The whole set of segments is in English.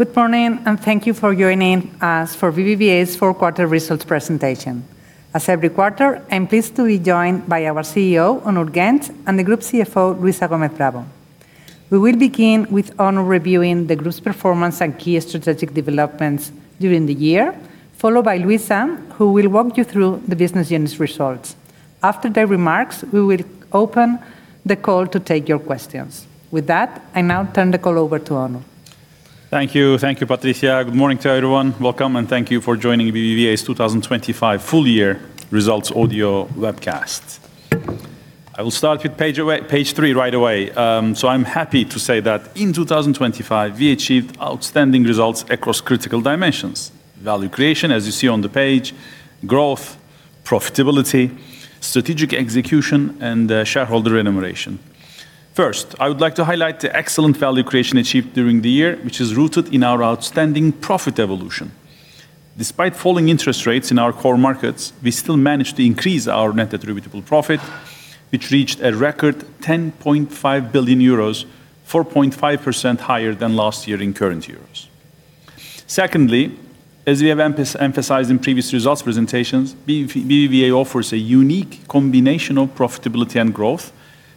Good morning, and thank you for joining us for BBVA's fourth quarter results presentation. As every quarter, I'm pleased to be joined by our CEO, Onur Genç, and the group CFO, Luisa Gómez Bravo. We will begin with Onur reviewing the group's performance and key strategic developments during the year, followed by Luisa, who will walk you through the business unit's results. After their remarks, we will open the call to take your questions. With that, I now turn the call over to Onur. Thank you. Thank you, Patricia. Good morning to everyone. Welcome, and thank you for joining BBVA's 2025 full year results audio webcast. I will start with page three right away. So I'm happy to say that in 2025, we achieved outstanding results across critical dimensions: value creation, as you see on the page, growth, profitability, strategic execution, and shareholder remuneration. First, I would like to highlight the excellent value creation achieved during the year, which is rooted in our outstanding profit evolution. Despite falling interest rates in our core markets, we still managed to increase our net attributable profit, which reached a record 10.5 billion euros, 4.5% higher than last year in current euros. Secondly, as we have emphasized in previous results presentations, BBVA offers a unique combination of profitability and growth,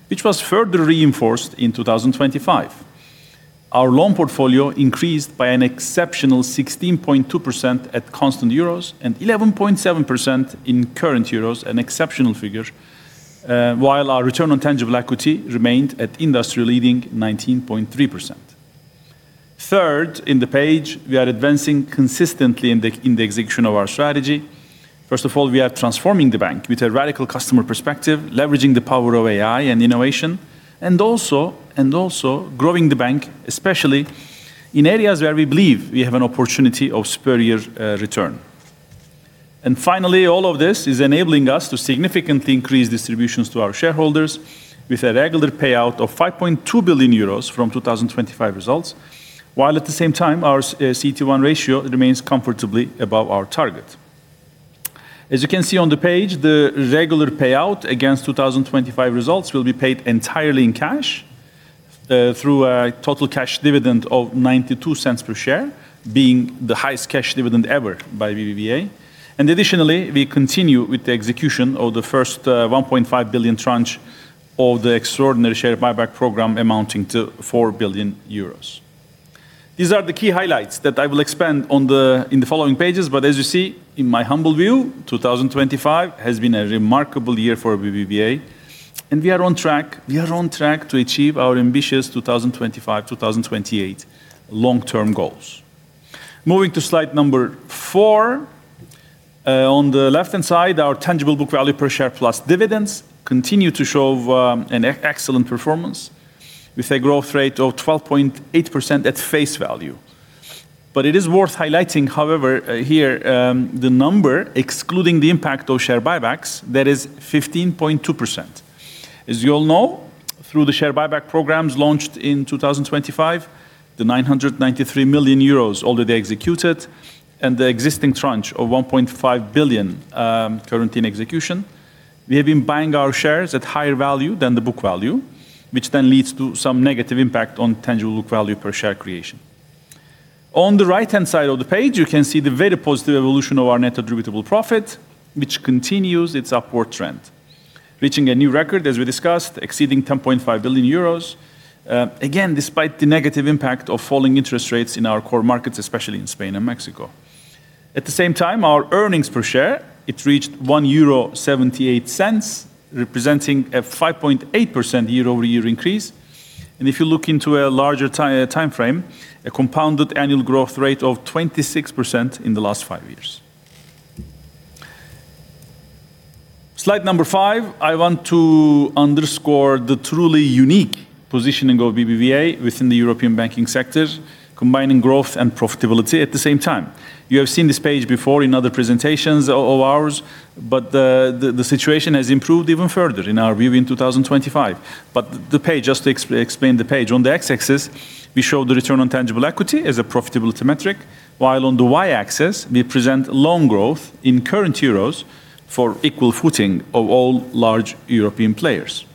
which was further reinforced in 2025. Our loan portfolio increased by an exceptional 16.2% at constant euros and 11.7% in current euros, an exceptional figure, while our return on tangible equity remained at industry-leading 19.3%. Third, in the page, we are advancing consistently in the execution of our strategy. First of all, we are transforming the bank with a radical customer perspective, leveraging the power of AI and innovation, and also growing the bank, especially in areas where we believe we have an opportunity of superior return. Finally, all of this is enabling us to significantly increase distributions to our shareholders with a regular payout of 5.2 billion euros from 2025 results, while at the same time, our CET1 ratio remains comfortably above our target. As you can see on the page, the regular payout against 2025 results will be paid entirely in cash through a total cash dividend of 0.92 per share, being the highest cash dividend ever by BBVA. Additionally, we continue with the execution of the first 1.5 billion tranche of the extraordinary share buyback program, amounting to 4 billion euros. These are the key highlights that I will expand on in the following pages. But as you see, in my humble view, 2025 has been a remarkable year for BBVA, and we are on track, we are on track to achieve our ambitious 2025, 2028 long-term goals. Moving to slide number 4, on the left-hand side, our tangible book value per share plus dividends continue to show, an excellent performance, with a growth rate of 12.8% at face value. But it is worth highlighting, however, here, the number, excluding the impact of share buybacks, that is 15.2%. As you all know, through the share buyback programs launched in 2025, the 993 million euros already executed and the existing tranche of 1.5 billion, currently in execution, we have been buying our shares at higher value than the book value, which then leads to some negative impact on tangible book value per share creation. On the right-hand side of the page, you can see the very positive evolution of our net attributable profit, which continues its upward trend, reaching a new record, as we discussed, exceeding 10.5 billion euros, again, despite the negative impact of falling interest rates in our core markets, especially in Spain and Mexico. At the same time, our earnings per share, it reached 1.78 euro, representing a 5.8% year-over-year increase. If you look into a larger timeframe, a compounded annual growth rate of 26% in the last five years. Slide number 5, I want to underscore the truly unique positioning of BBVA within the European banking sector, combining growth and profitability at the same time. You have seen this page before in other presentations of ours, but the situation has improved even further in our view in 2025. But the page, just to explain the page, on the x-axis, we show the return on tangible equity as a profitability metric, while on the y-axis, we present loan growth in current EUR for equal footing of all large European players.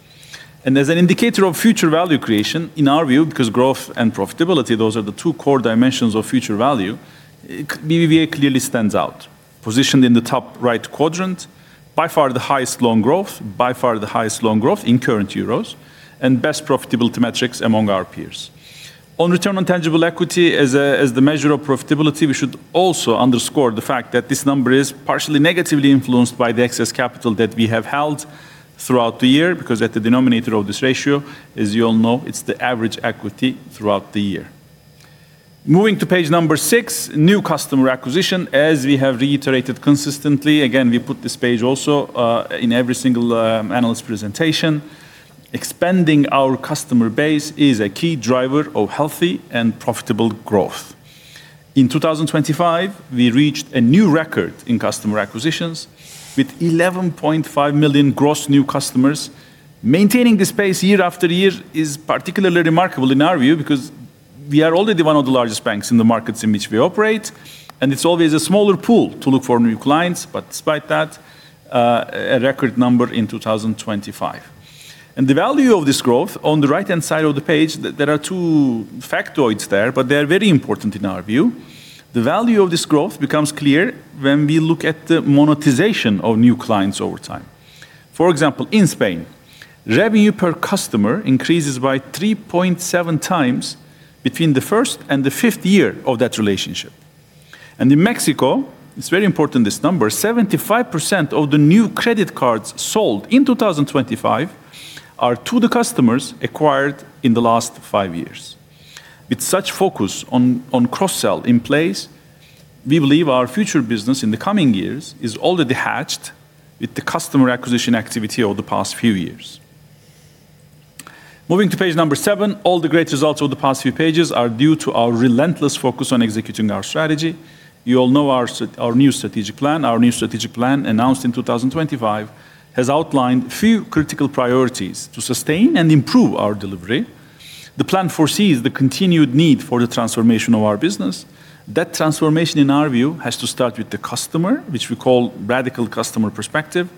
As an indicator of future value creation, in our view, because growth and profitability, those are the two core dimensions of future value, BBVA clearly stands out, positioned in the top-right quadrant, by far the highest loan growth, by far the highest loan growth in current euros, and best profitability metrics among our peers. On return on tangible equity, as, as the measure of profitability, we should also underscore the fact that this number is partially negatively influenced by the excess capital that we have held throughout the year, because at the denominator of this ratio, as you all know, it's the average equity throughout the year. Moving to page number 6, new customer acquisition. As we have reiterated consistently, again, we put this page also, in every single, analyst presentation. Expanding our customer base is a key driver of healthy and profitable growth. In 2025, we reached a new record in customer acquisitions with 11.5 million gross new customers. Maintaining this pace year after year is particularly remarkable in our view because we are already one of the largest banks in the markets in which we operate, and it's always a smaller pool to look for new clients, but despite that, a record number in 2025. And the value of this growth, on the right-hand side of the page, there are two factoids there, but they are very important in our view. The value of this growth becomes clear when we look at the monetization of new clients over time. For example, in Spain, revenue per customer increases by 3.7 times between the first and the fifth year of that relationship. In Mexico, it's very important, this number, 75% of the new credit cards sold in 2025 are to the customers acquired in the last five years. With such focus on cross-sell in place, we believe our future business in the coming years is already hatched with the customer acquisition activity over the past few years. Moving to page 7, all the great results over the past few pages are due to our relentless focus on executing our strategy. You all know our our new strategic plan. Our new strategic plan, announced in 2025, has outlined a few critical priorities to sustain and improve our delivery. The plan foresees the continued need for the transformation of our business. That transformation, in our view, has to start with the customer, which we call radical customer perspective,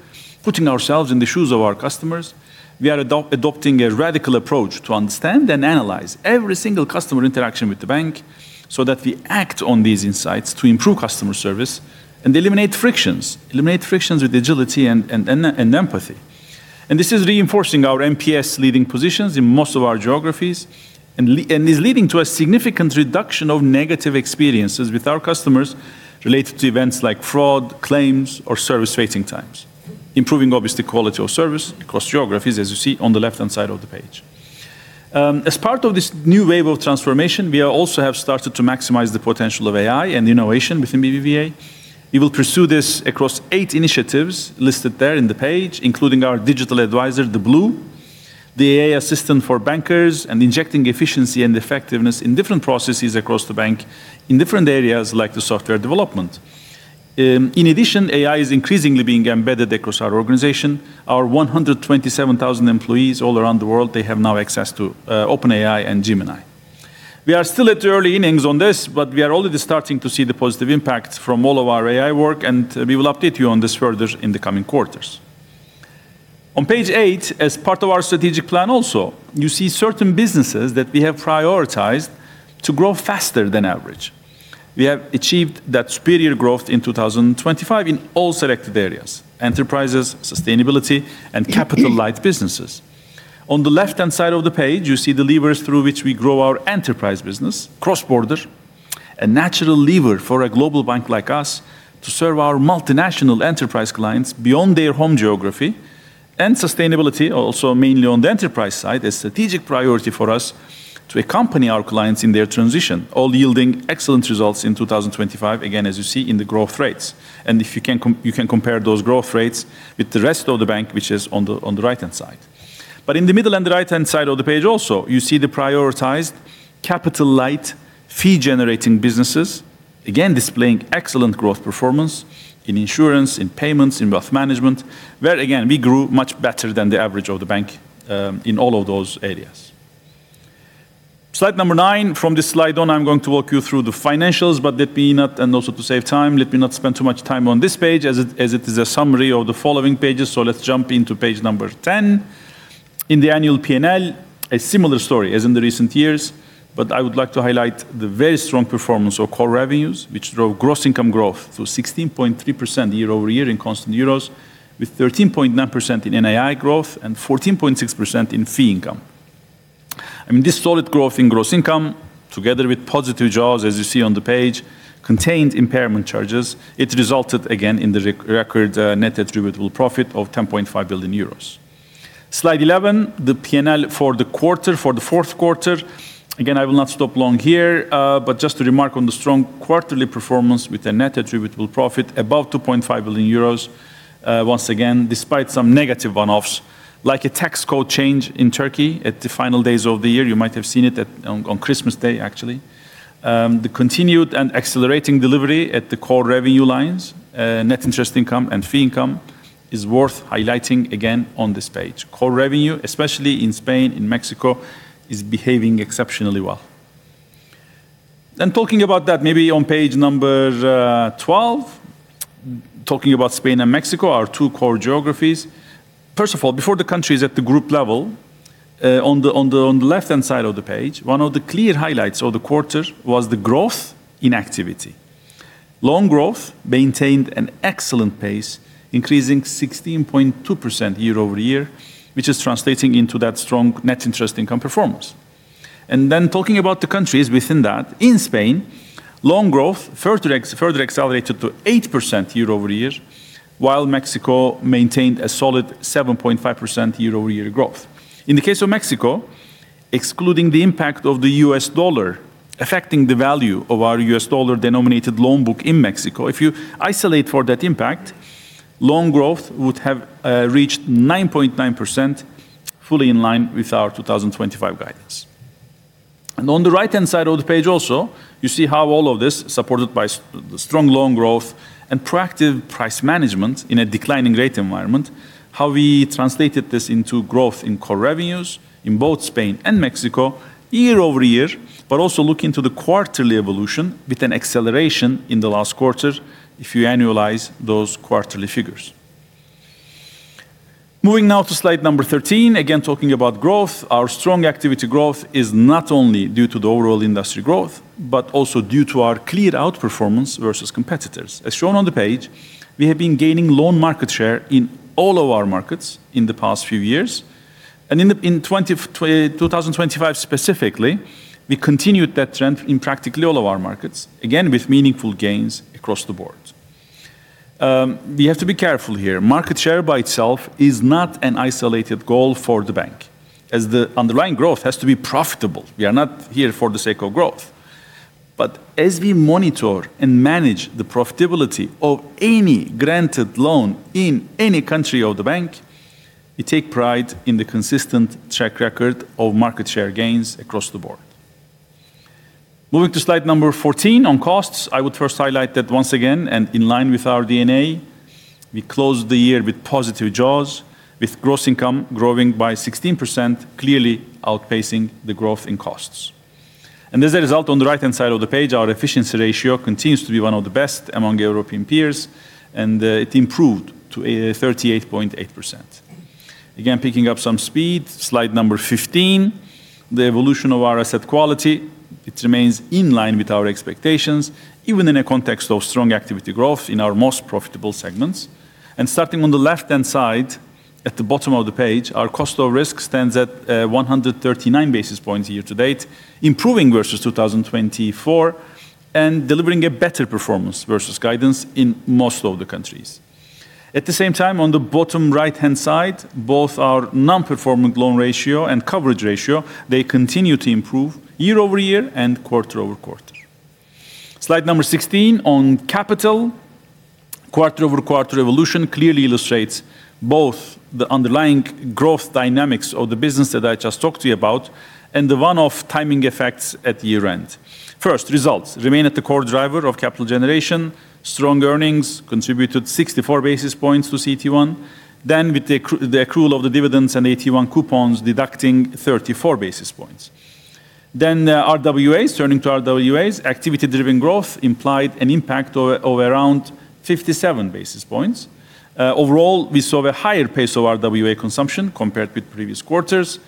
putting ourselves in the shoes of our customers. We are adopting a radical approach to understand and analyze every single customer interaction with the bank, so that we act on these insights to improve customer service and eliminate frictions, eliminate frictions with agility and empathy. And this is reinforcing our NPS leading positions in most of our geographies, and is leading to a significant reduction of negative experiences with our customers related to events like fraud, claims, or service waiting times, improving, obviously, quality of service across geographies, as you see on the left-hand side of the page. As part of this new wave of transformation, we are also have started to maximize the potential of AI and innovation within BBVA. We will pursue this across 8 initiatives listed there in the page, including our digital advisor, Blue, the AI assistant for bankers, and injecting efficiency and effectiveness in different processes across the bank in different areas, like the software development. In addition, AI is increasingly being embedded across our organization. Our 127,000 employees all around the world, they have now access to OpenAI and Gemini. We are still at the early innings on this, but we are already starting to see the positive impact from all of our AI work, and we will update you on this further in the coming quarters. On page 8, as part of our strategic plan also, you see certain businesses that we have prioritized to grow faster than average. We have achieved that superior growth in 2025 in all selected areas: enterprises, sustainability, and capital-light businesses. On the left-hand side of the page, you see the levers through which we grow our enterprise business, cross-border, a natural lever for a global bank like us to serve our multinational enterprise clients beyond their home geography. And sustainability, also mainly on the enterprise side, a strategic priority for us to accompany our clients in their transition, all yielding excellent results in 2025, again, as you see in the growth rates. You can compare those growth rates with the rest of the bank, which is on the right-hand side. But in the middle and the right-hand side of the page also, you see the prioritized capital-light, fee-generating businesses, again, displaying excellent growth performance in insurance, in payments, in wealth management, where, again, we grew much better than the average of the bank in all of those areas. Slide number 9. From this slide on, I'm going to walk you through the financials, but let me not and also, to save time, let me not spend too much time on this page, as it is a summary of the following pages. So let's jump into page number 10. In the annual P&L, a similar story as in the recent years, but I would like to highlight the very strong performance of core revenues, which drove gross income growth to 16.3% year-over-year in constant euros, with 13.9% in NII growth and 14.6% in fee income. I mean, this solid growth in gross income, together with positive jaws, as you see on the page, contained impairment charges. It resulted, again, in the record net attributable profit of 10.5 billion euros. Slide 11, the P&L for the quarter, for the fourth quarter. Again, I will not stop long here, but just to remark on the strong quarterly performance with a net attributable profit above 2.5 billion euros, once again, despite some negative one-offs, like a tax code change in Turkey at the final days of the year. You might have seen it on Christmas Day, actually. The continued and accelerating delivery at the core revenue lines, net interest income and fee income, is worth highlighting again on this page. Core revenue, especially in Spain, in Mexico, is behaving exceptionally well. Then talking about that, maybe on page number 12, talking about Spain and Mexico, our two core geographies. First of all, before the countries at the group level, on the left-hand side of the page, one of the clear highlights of the quarter was the growth in activity. Loan growth maintained an excellent pace, increasing 16.2% year-over-year, which is translating into that strong net interest income performance. And then talking about the countries within that, in Spain, loan growth further accelerated to 8% year-over-year, while Mexico maintained a solid 7.5% year-over-year growth. In the case of Mexico, excluding the impact of the US dollar affecting the value of our US dollar-denominated loan book in Mexico, if you isolate for that impact, loan growth would have reached 9.9%, fully in line with our 2025 guidance. On the right-hand side of the page also, you see how all of this, supported by strong loan growth and proactive price management in a declining rate environment, how we translated this into growth in core revenues in both Spain and Mexico year-over-year, but also looking to the quarterly evolution with an acceleration in the last quarter, if you annualize those quarterly figures. Moving now to slide number 13, again, talking about growth. Our strong activity growth is not only due to the overall industry growth, but also due to our clear outperformance versus competitors. As shown on the page, we have been gaining loan market share in all of our markets in the past few years, and in 2025 specifically, we continued that trend in practically all of our markets, again, with meaningful gains across the board. We have to be careful here. Market share by itself is not an isolated goal for the bank, as the underlying growth has to be profitable. We are not here for the sake of growth. But as we monitor and manage the profitability of any granted loan in any country of the bank, we take pride in the consistent track record of market share gains across the board. Moving to slide number 14 on costs, I would first highlight that once again, and in line with our DNA, we closed the year with positive jaws, with gross income growing by 16%, clearly outpacing the growth in costs. As a result, on the right-hand side of the page, our efficiency ratio continues to be one of the best among European peers, and it improved to 38.8%. Again, picking up some speed, slide number 15, the evolution of our asset quality, it remains in line with our expectations, even in a context of strong activity growth in our most profitable segments. Starting on the left-hand side, at the bottom of the page, our cost of risk stands at 139 basis points year to date, improving versus 2024, and delivering a better performance versus guidance in most of the countries. At the same time, on the bottom right-hand side, both our non-performing loan ratio and coverage ratio, they continue to improve year-over-year and quarter-over-quarter. Slide number 16 on capital, quarter-over-quarter evolution clearly illustrates both the underlying growth dynamics of the business that I just talked to you about, and the one-off timing effects at year-end. First, results remain at the core driver of capital generation. Strong earnings contributed 64 basis points to CET1, then with the accrual of the dividends and AT1 coupons deducting 34 basis points. Then, turning to RWAs, activity-driven growth implied an impact of around 57 basis points. Overall, we saw a higher pace of RWA consumption compared with previous quarters.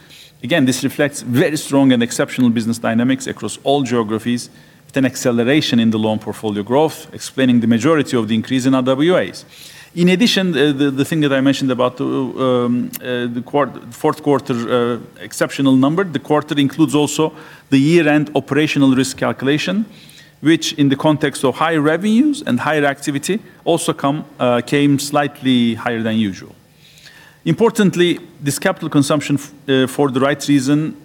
Again, this reflects very strong and exceptional business dynamics across all geographies, with an acceleration in the loan portfolio growth, explaining the majority of the increase in RWAs. In addition, the thing that I mentioned about the fourth quarter exceptional number, the quarter includes also the year-end operational risk calculation, which, in the context of higher revenues and higher activity, also came slightly higher than usual. Importantly, this capital consumption for the right reason,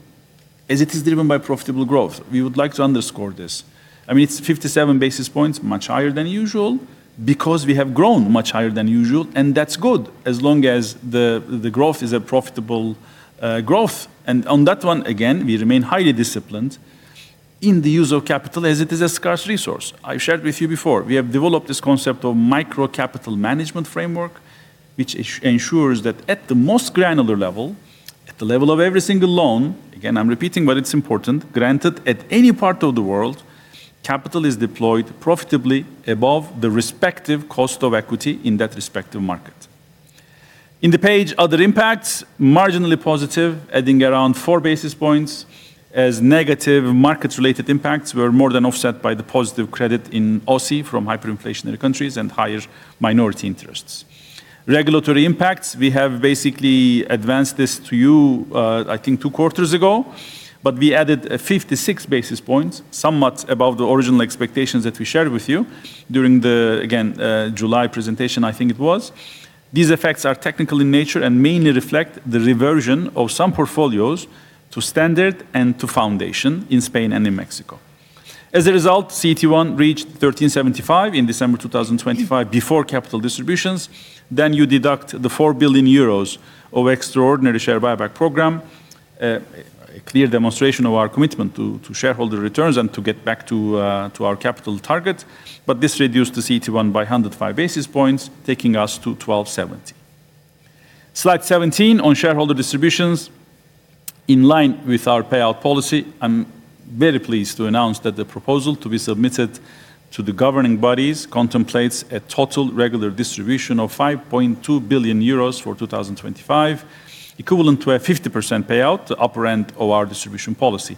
as it is driven by profitable growth. We would like to underscore this. I mean, it's 57 basis points, much higher than usual, because we have grown much higher than usual, and that's good, as long as the, the growth is a profitable growth. And on that one, again, we remain highly disciplined in the use of capital, as it is a scarce resource. I shared with you before, we have developed this concept of micro capital management framework, which ensures that at the most granular level, at the level of every single loan, again, I'm repeating, but it's important, granted, at any part of the world, capital is deployed profitably above the respective cost of equity in that respective market. In the page, other impacts, marginally positive, adding around 4 basis points, as negative markets-related impacts were more than offset by the positive credit in OCI from hyperinflationary countries and higher minority interests. Regulatory impacts, we have basically advanced this to you, I think two quarters ago, but we added a 56 basis points, somewhat above the original expectations that we shared with you during the, again, July presentation, I think it was. These effects are technical in nature and mainly reflect the reversion of some portfolios to standard and to foundation in Spain and in Mexico. As a result, CET1 reached 13.75% in December 2025 before capital distributions. Then you deduct the 4 billion euros of extraordinary share buyback program, a clear demonstration of our commitment to, to shareholder returns and to get back to, to our capital target. But this reduced the CET1 by 105 basis points, taking us to 12.70%. Slide 17 on shareholder distributions. In line with our payout policy, I'm very pleased to announce that the proposal to be submitted to the governing bodies contemplates a total regular distribution of 5.2 billion euros for 2025, equivalent to a 50% payout, the upper end of our distribution policy.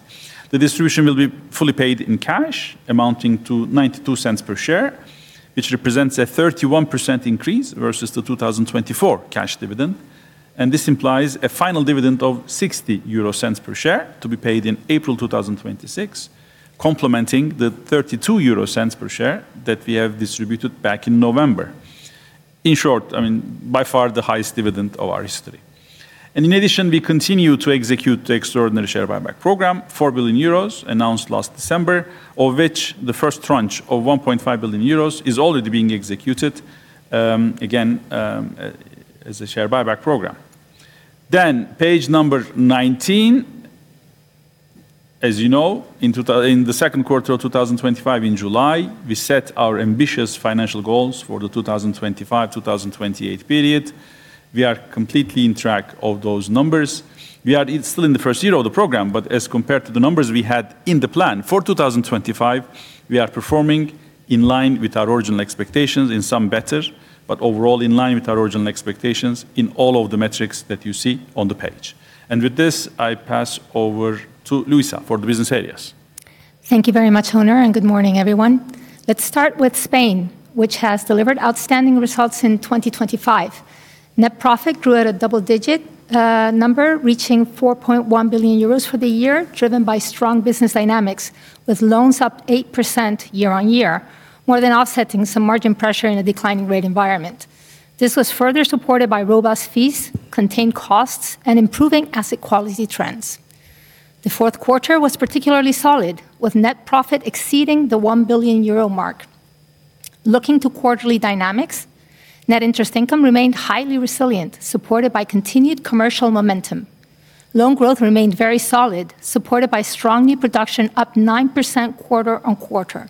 The distribution will be fully paid in cash, amounting to 0.92 per share, which represents a 31% increase versus the 2024 cash dividend, and this implies a final dividend of 0.60 per share to be paid in April 2026, complementing the 0.32 per share that we have distributed back in November. In short, I mean, by far, the highest dividend of our history. In addition, we continue to execute the extraordinary share buyback program, 4 billion euros, announced last December, of which the first tranche of 1.5 billion euros is already being executed, again, as a share buyback program. Page number 19. As you know, in total, in the second quarter of 2025, in July, we set our ambitious financial goals for the 2025/2028 period. We are completely in track of those numbers. We are still in the first year of the program, but as compared to the numbers we had in the plan for 2025, we are performing in line with our original expectations, in some better, but overall in line with our original expectations in all of the metrics that you see on the page. With this, I pass over to Luisa for the business areas. ...Thank you very much, Onur, and good morning, everyone. Let's start with Spain, which has delivered outstanding results in 2025. Net profit grew at a double-digit number, reaching 4.1 billion euros for the year, driven by strong business dynamics, with loans up 8% year-on-year, more than offsetting some margin pressure in a declining rate environment. This was further supported by robust fees, contained costs, and improving asset quality trends. The fourth quarter was particularly solid, with net profit exceeding the 1 billion euro mark. Looking to quarterly dynamics, net interest income remained highly resilient, supported by continued commercial momentum. Loan growth remained very solid, supported by strong new production, up 9% quarter-on-quarter.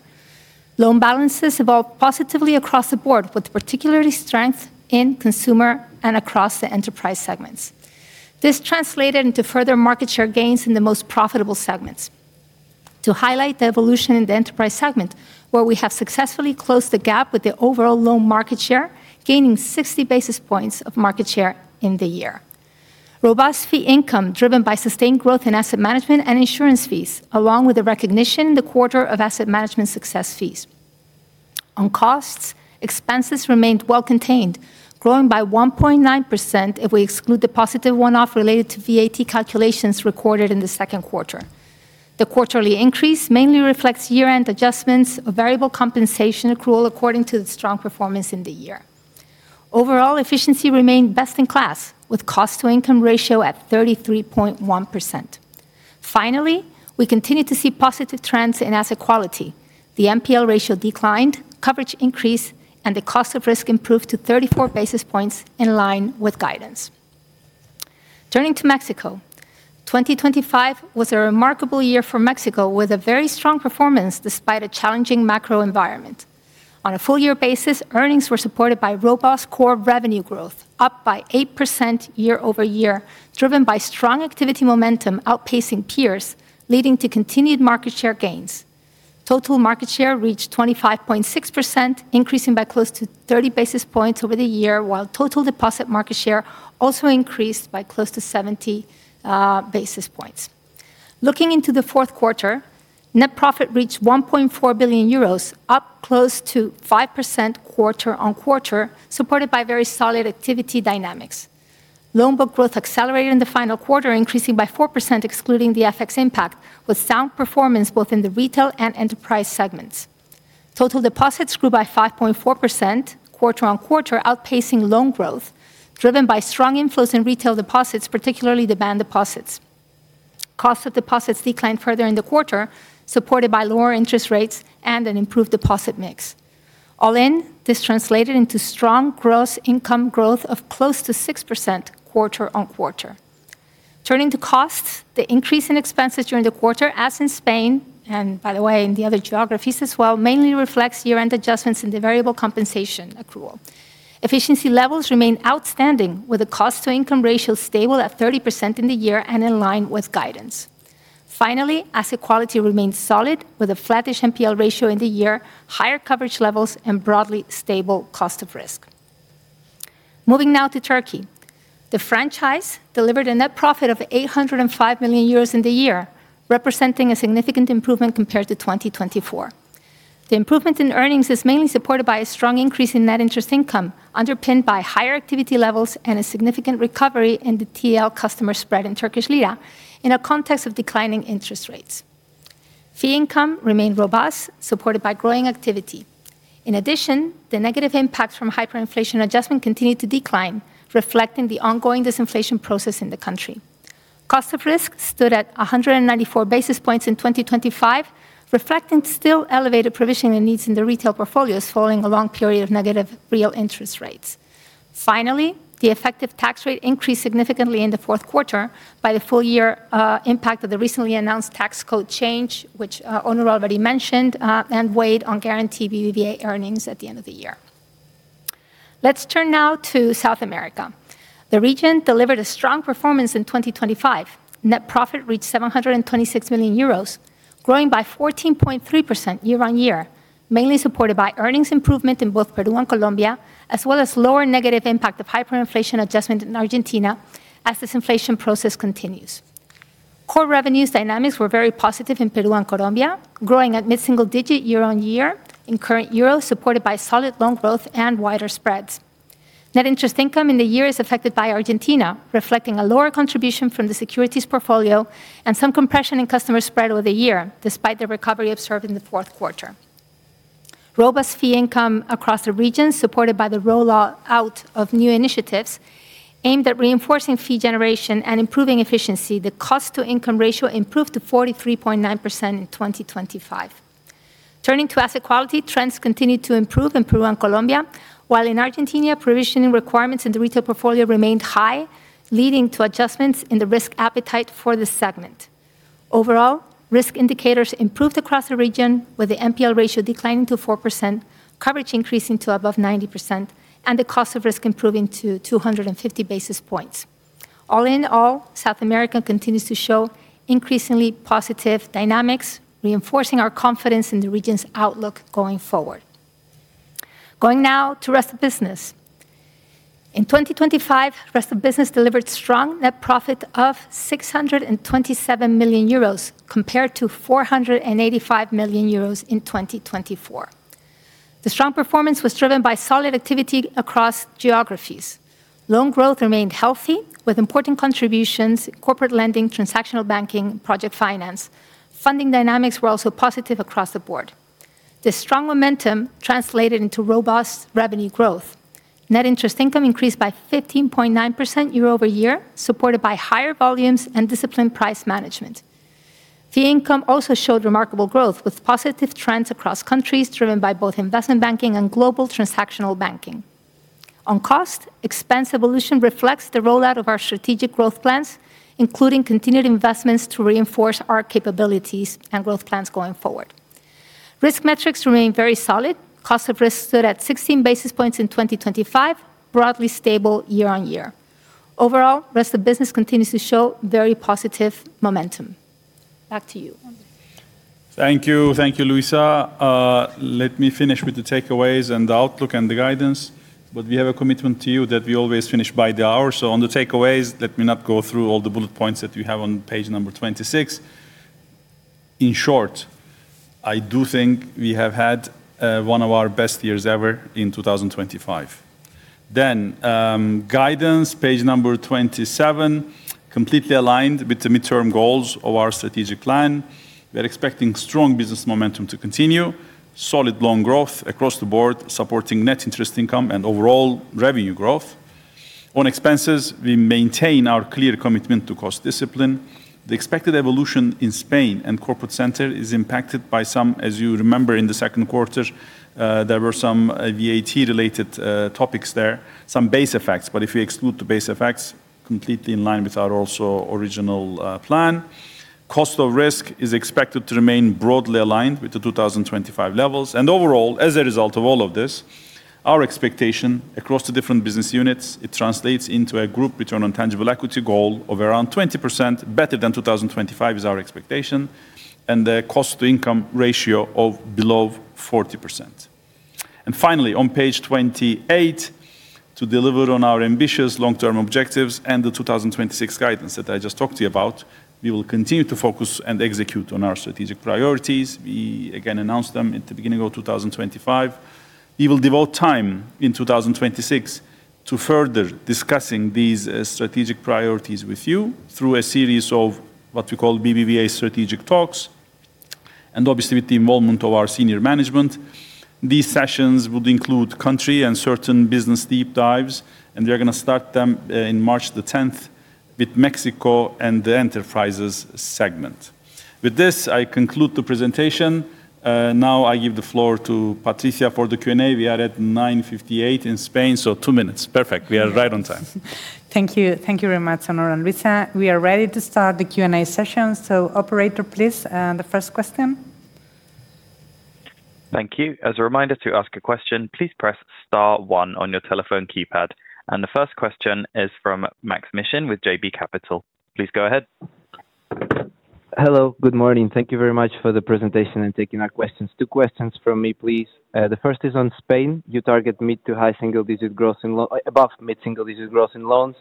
Loan balances evolved positively across the board, with particular strength in consumer and across the enterprise segments. This translated into further market share gains in the most profitable segments. To highlight the evolution in the enterprise segment, where we have successfully closed the gap with the overall loan market share, gaining 60 basis points of market share in the year. Robust fee income, driven by sustained growth in asset management and insurance fees, along with the recognition in the quarter of asset management success fees. On costs, expenses remained well contained, growing by 1.9% if we exclude the positive one-off related to VAT calculations recorded in the second quarter. The quarterly increase mainly reflects year-end adjustments of variable compensation accrual according to the strong performance in the year. Overall, efficiency remained best in class, with cost-to-income ratio at 33.1%. Finally, we continue to see positive trends in asset quality. The NPL ratio declined, coverage increased, and the cost of risk improved to 34 basis points in line with guidance. Turning to Mexico. 2025 was a remarkable year for Mexico, with a very strong performance despite a challenging macro environment. On a full year basis, earnings were supported by robust core revenue growth, up by 8% year-over-year, driven by strong activity momentum outpacing peers, leading to continued market share gains. Total market share reached 25.6%, increasing by close to 30 basis points over the year, while total deposit market share also increased by close to 70 basis points. Looking into the fourth quarter, net profit reached 1.4 billion euros, up close to 5% quarter-on-quarter, supported by very solid activity dynamics. Loan book growth accelerated in the final quarter, increasing by 4%, excluding the FX impact, with sound performance both in the retail and enterprise segments. Total deposits grew by 5.4% quarter-on-quarter, outpacing loan growth, driven by strong inflows in retail deposits, particularly the demand deposits. Cost of deposits declined further in the quarter, supported by lower interest rates and an improved deposit mix. All in, this translated into strong gross income growth of close to 6% quarter-on-quarter. Turning to costs, the increase in expenses during the quarter, as in Spain, and by the way, in the other geographies as well, mainly reflects year-end adjustments in the variable compensation accrual. Efficiency levels remain outstanding, with a cost-to-income ratio stable at 30% in the year and in line with guidance. Finally, asset quality remains solid, with a flattish NPL ratio in the year, higher coverage levels, and broadly stable cost of risk. Moving now to Turkey. The franchise delivered a net profit of 805 million euros in the year, representing a significant improvement compared to 2024. The improvement in earnings is mainly supported by a strong increase in net interest income, underpinned by higher activity levels and a significant recovery in the TL customer spread in Turkish lira in a context of declining interest rates. Fee income remained robust, supported by growing activity. In addition, the negative impact from hyperinflation adjustment continued to decline, reflecting the ongoing disinflation process in the country. Cost of risk stood at 194 basis points in 2025, reflecting still elevated provisioning needs in the retail portfolios following a long period of negative real interest rates. Finally, the effective tax rate increased significantly in the fourth quarter by the full year impact of the recently announced tax code change, which, Onur already mentioned, and weighed on Garanti BBVA earnings at the end of the year. Let's turn now to South America. The region delivered a strong performance in 2025. Net profit reached 726 million euros, growing by 14.3% year-on-year, mainly supported by earnings improvement in both Peru and Colombia, as well as lower negative impact of hyperinflation adjustment in Argentina as this inflation process continues. Core revenues dynamics were very positive in Peru and Colombia, growing at mid-single digit year-on-year in current euros, supported by solid loan growth and wider spreads. Net interest income in the year is affected by Argentina, reflecting a lower contribution from the securities portfolio and some compression in customer spread over the year, despite the recovery observed in the fourth quarter. Robust fee income across the region, supported by the rollout of new initiatives aimed at reinforcing fee generation and improving efficiency, the cost-to-income ratio improved to 43.9% in 2025. Turning to asset quality, trends continued to improve in Peru and Colombia, while in Argentina, provisioning requirements in the retail portfolio remained high, leading to adjustments in the risk appetite for this segment. Overall, risk indicators improved across the region, with the NPL ratio declining to 4%, coverage increasing to above 90%, and the cost of risk improving to 250 basis points. All in all, South America continues to show increasingly positive dynamics, reinforcing our confidence in the region's outlook going forward. Going to Rest of Business delivered strong net profit of 627 million euros, compared to 485 million euros in 2024. The strong performance was driven by solid activity across geographies. Loan growth remained healthy, with important contributions, corporate lending, transactional banking, project finance. Funding dynamics were also positive across the board. This strong momentum translated into robust revenue growth. Net interest income increased by 15.9% year-over-year, supported by higher volumes and disciplined price management. Fee income also showed remarkable growth, with positive trends across countries, driven by both investment banking and global transactional banking. On cost, expense evolution reflects the rollout of our strategic growth plans, including continued investments to reinforce our capabilities and growth plans going forward. Risk metrics remain very solid. Cost of risk stood at 16 basis points in 2025, broadly stable Rest of Business continues to show very positive momentum. Back to you. Thank you. Thank you, Luisa. Let me finish with the takeaways, and the outlook, and the guidance, but we have a commitment to you that we always finish by the hour. So on the takeaways, let me not go through all the bullet points that you have on page 26. In short, I do think we have had one of our best years ever in 2025. Then, guidance, page 27, completely aligned with the midterm goals of our strategic plan. We are expecting strong business momentum to continue, solid loan growth across the board, supporting net interest income and overall revenue growth. On expenses, we maintain our clear commitment to cost discipline. The expected evolution in Spain and Corporate Center is impacted by some... As you remember, in the second quarter, there were some VAT-related topics there, some base effects. But if you exclude the base effects, completely in line with our also original plan. Cost of risk is expected to remain broadly aligned with the 2025 levels. And overall, as a result of all of this, our expectation across the different business units, it translates into a group return on tangible equity goal of around 20%, better than 2025, is our expectation, and a cost-to-income ratio of below 40%. And finally, on page 28, to deliver on our ambitious long-term objectives and the 2026 guidance that I just talked to you about, we will continue to focus and execute on our strategic priorities. We, again, announced them at the beginning of 2025. We will devote time in 2026 to further discussing these strategic priorities with you through a series of what we call BBVA Strategic Talks, and obviously, with the involvement of our senior management. These sessions would include country and certain business deep dives, and we are going to start them in March 10, with Mexico and the Enterprises segment. With this, I conclude the presentation. Now I give the floor to Patricia for the Q&A. We are at 9:58 in Spain, so two minutes. Perfect. We are right on time. Thank you. Thank you very much, Onur and Luisa. We are ready to start the Q&A session. So operator, please, the first question. Thank you. As a reminder, to ask a question, please press star one on your telephone keypad. The first question is from Maksym Mishyn with JB Capital. Please go ahead. Hello, good morning. Thank you very much for the presentation and taking our questions. Two questions from me, please. The first is on Spain. You target mid- to high-single-digit growth in loans, above mid-single-digit growth in loans,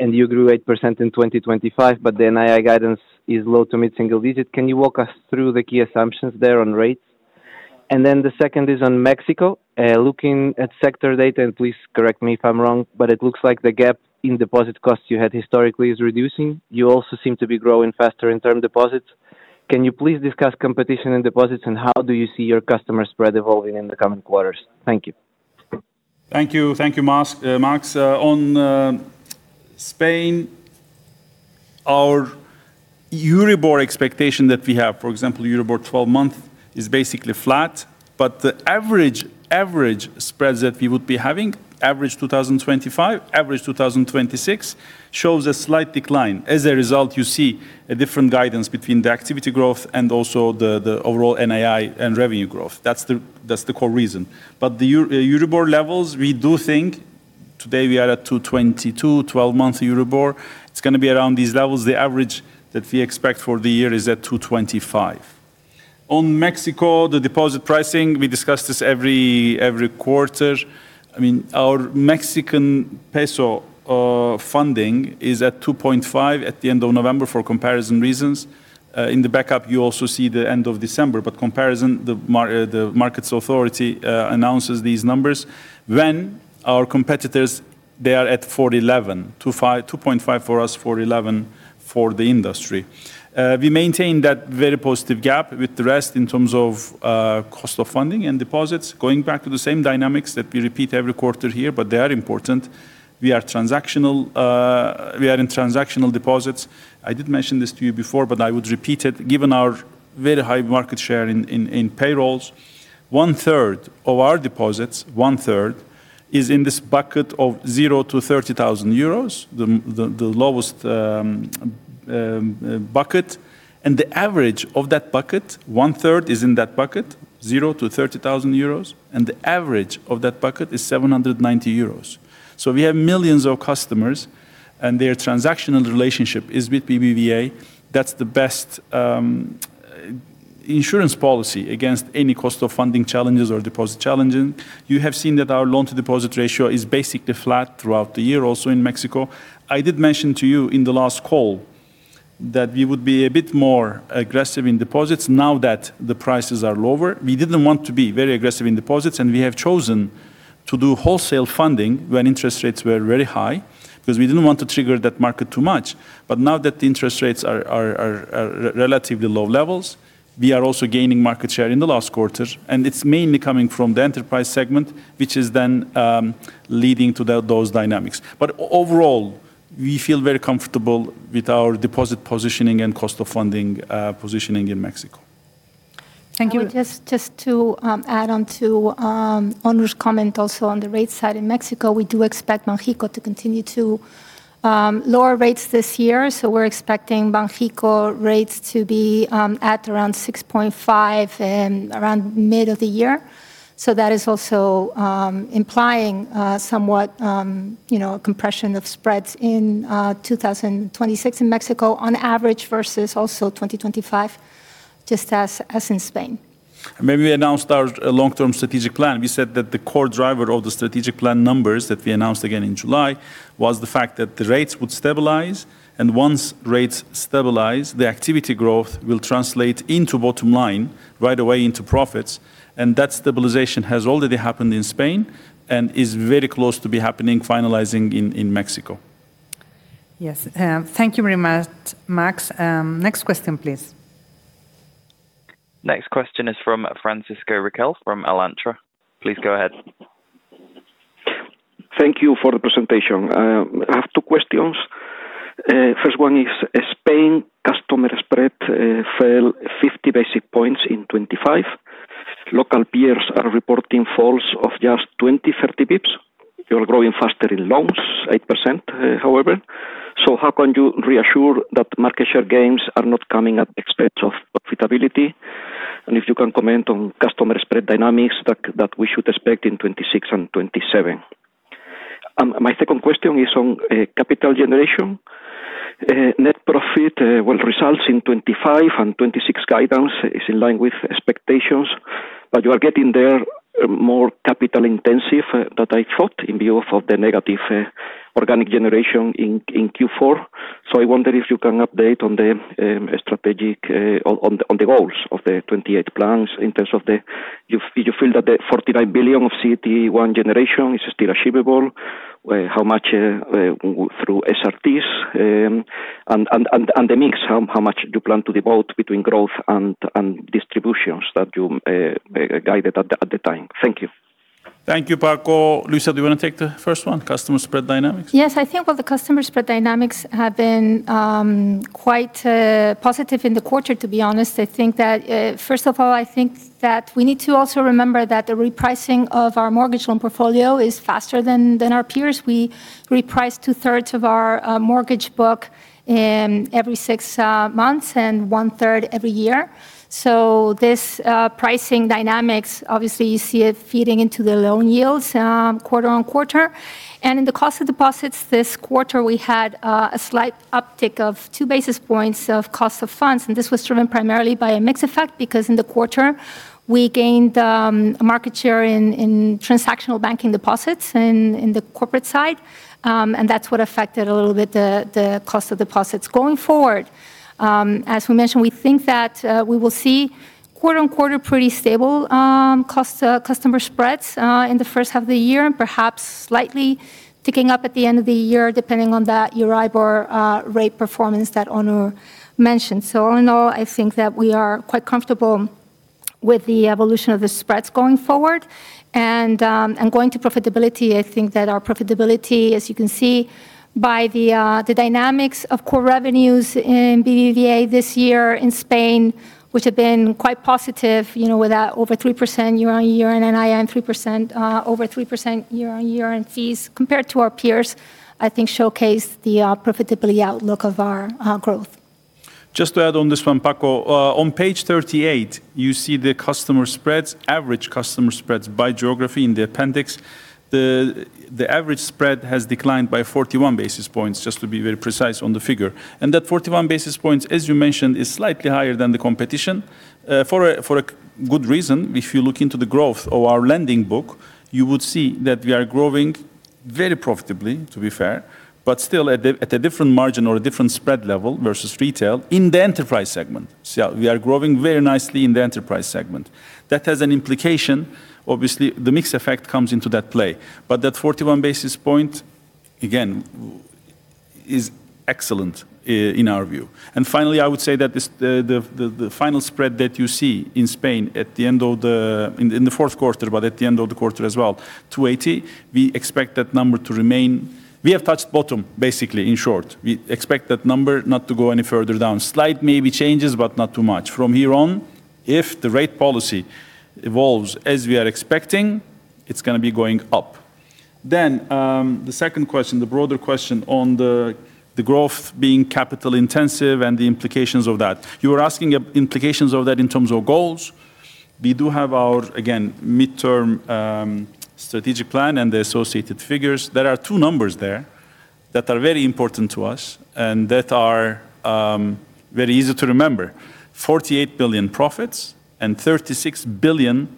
and you grew 8% in 2025, but the NII guidance is low- to mid-single-digit. Can you walk us through the key assumptions there on rates? And then the second is on Mexico. Looking at sector data, and please correct me if I'm wrong, but it looks like the gap in deposit costs you had historically is reducing. You also seem to be growing faster in term deposits. Can you please discuss competition in deposits, and how do you see your customer spread evolving in the coming quarters? Thank you. Thank you. Thank you, Max. On Spain, our Euribor expectation that we have, for example, 12-month Euribor, is basically flat, but the average spreads that we would be having, average 2025, average 2026, shows a slight decline. As a result, you see a different guidance between the activity growth and also the overall NII and revenue growth. That's the core reason. But the Euribor levels, we do think today we are at 2.22, 12-month Euribor. It's gonna be around these levels. The average that we expect for the year is at 2.25. On Mexico, the deposit pricing, we discuss this every quarter. I mean, our Mexican peso funding is at 2.5 at the end of November for comparison reasons. In the backup, you also see the end of December, but comparison, the markets authority announces these numbers when our competitors, they are at 4.11%. 2.5, 2.5% for us, 4.11% for the industry. We maintain that very positive gap with the rest in terms of cost of funding and deposits. Going back to the same dynamics that we repeat every quarter here, but they are important, we are transactional, we are in transactional deposits. I did mention this to you before, but I would repeat it. Given our very high market share in payrolls, one-third of our deposits, one-third, is in this bucket of 0-30,000 euros, the lowest bucket. The average of that bucket, one-third is in that bucket, 0-30,000 euros, and the average of that bucket is 790 euros. So we have millions of customers, and their transactional relationship is with BBVA. That's the best insurance policy against any cost of funding challenges or deposit challenges. You have seen that our loan-to-deposit ratio is basically flat throughout the year, also in Mexico. I did mention to you in the last call that we would be a bit more aggressive in deposits now that the prices are lower. We didn't want to be very aggressive in deposits, and we have chosen to do wholesale funding when interest rates were very high, because we didn't want to trigger that market too much. But now that the interest rates are at relatively low levels, we are also gaining market share in the last quarter, and it's mainly coming from the enterprise segment, which is then leading to those dynamics. But overall, we feel very comfortable with our deposit positioning and cost of funding positioning in Mexico. Thank you. I would just to add on to Onur's comment also on the rate side in Mexico, we do expect Banxico to continue to lower rates this year. So we're expecting Banxico rates to be at around 6.5% around mid of the year. So that is also implying somewhat you know compression of spreads in 2026 in Mexico on average versus 2025 just as in Spain. Maybe we announced our long-term strategic plan. We said that the core driver of the strategic plan numbers that we announced again in July, was the fact that the rates would stabilize, and once rates stabilize, the activity growth will translate into bottom line, right away into profits. That stabilization has already happened in Spain and is very close to be happening, finalizing in Mexico. Yes. Thank you very much, Max. Next question, please. Next question is from Francisco Riquel from Alantra. Please go ahead. Thank you for the presentation. I have two questions. First one is, Spain customer spread fell 50 basis points in 2025. Local peers are reporting falls of just 20, 30 basis points. You're growing faster in loans, 8%, however, so how can you reassure that market share gains are not coming at expense of profitability? And if you can comment on customer spread dynamics that we should expect in 2026 and 2027. My second question is on capital generation. Net profit, well, results in 2025 and 2026 guidance is in line with expectations, but you are getting there more capital intensive than I thought in view of the negative organic generation in Q4. So I wonder if you can update on the strategic goals of the 2028 plans in terms of the—do you feel that the 49 billion of CET1 generation is still achievable? How much through SRTs and the mix, how much do you plan to devote between growth and distributions that you guided at the time? Thank you. Thank you, Paco. Luisa, do you want to take the first one, customer spread dynamics? Yes, I think, well, the customer spread dynamics have been quite positive in the quarter, to be honest. I think that first of all, I think that we need to also remember that the repricing of our mortgage loan portfolio is faster than our peers. We reprice 2/3 of our mortgage book every 6 months and 1/3 every year. So this pricing dynamics, obviously, you see it feeding into the loan yields quarter-over-quarter. In the cost of deposits this quarter, we had a slight uptick of 2 basis points of cost of funds, and this was driven primarily by a mix effect, because in the quarter, we gained market share in transactional banking deposits in the corporate side, and that's what affected a little bit the cost of deposits. Going forward, as we mentioned, we think that we will see quarter-on-quarter pretty stable cost customer spreads in the first half of the year and perhaps slightly ticking up at the end of the year, depending on that Euribor rate performance that Onur mentioned. So all in all, I think that we are quite comfortable with the evolution of the spreads going forward. And going to profitability, I think that our profitability, as you can see by the dynamics of core revenues in BBVA this year in Spain, which have been quite positive, you know, with over 3% year-on-year, and NII and 3%, over 3% year-on-year in fees, compared to our peers, I think showcase the profitability outlook of our growth. Just to add on this one, Paco, on page 38, you see the customer spreads, average customer spreads by geography in the appendix. The average spread has declined by 41 basis points, just to be very precise on the figure. And that 41 basis points, as you mentioned, is slightly higher than the competition, for a good reason. If you look into the growth of our lending book, you would see that we are growing very profitably, to be fair, but still at a different margin or a different spread level versus retail in the enterprise segment. So we are growing very nicely in the enterprise segment. That has an implication. Obviously, the mix effect comes into that play. But that 41 basis point, again, is excellent, in our view. And finally, I would say that this... the final spread that you see in Spain at the end of the fourth quarter, but at the end of the quarter as well, 280, we expect that number to remain. We have touched bottom, basically, in short. We expect that number not to go any further down. Slight maybe changes, but not too much. From here on, if the rate policy evolves as we are expecting, it's gonna be going up. Then, the second question, the broader question on the growth being capital intensive and the implications of that. You were asking implications of that in terms of goals? We do have our, again, midterm strategic plan and the associated figures. There are two numbers there that are very important to us, and that are very easy to remember: 48 billion profits and 36 billion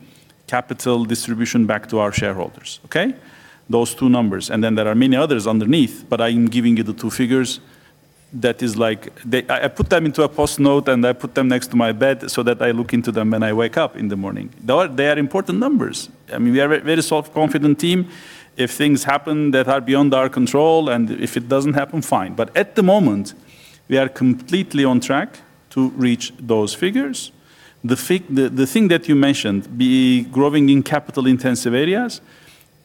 capital distribution back to our shareholders, okay? Those two numbers, and then there are many others underneath, but I'm giving you the two figures that is like the- I, I put them into a Post-it note, and I put them next to my bed so that I look into them when I wake up in the morning. They are, they are important numbers. I mean, we are a very self-confident team. If things happen that are beyond our control, and if it doesn't happen, fine. But at the moment, we are completely on track to reach those figures. The, the thing that you mentioned, be growing in capital-intensive areas,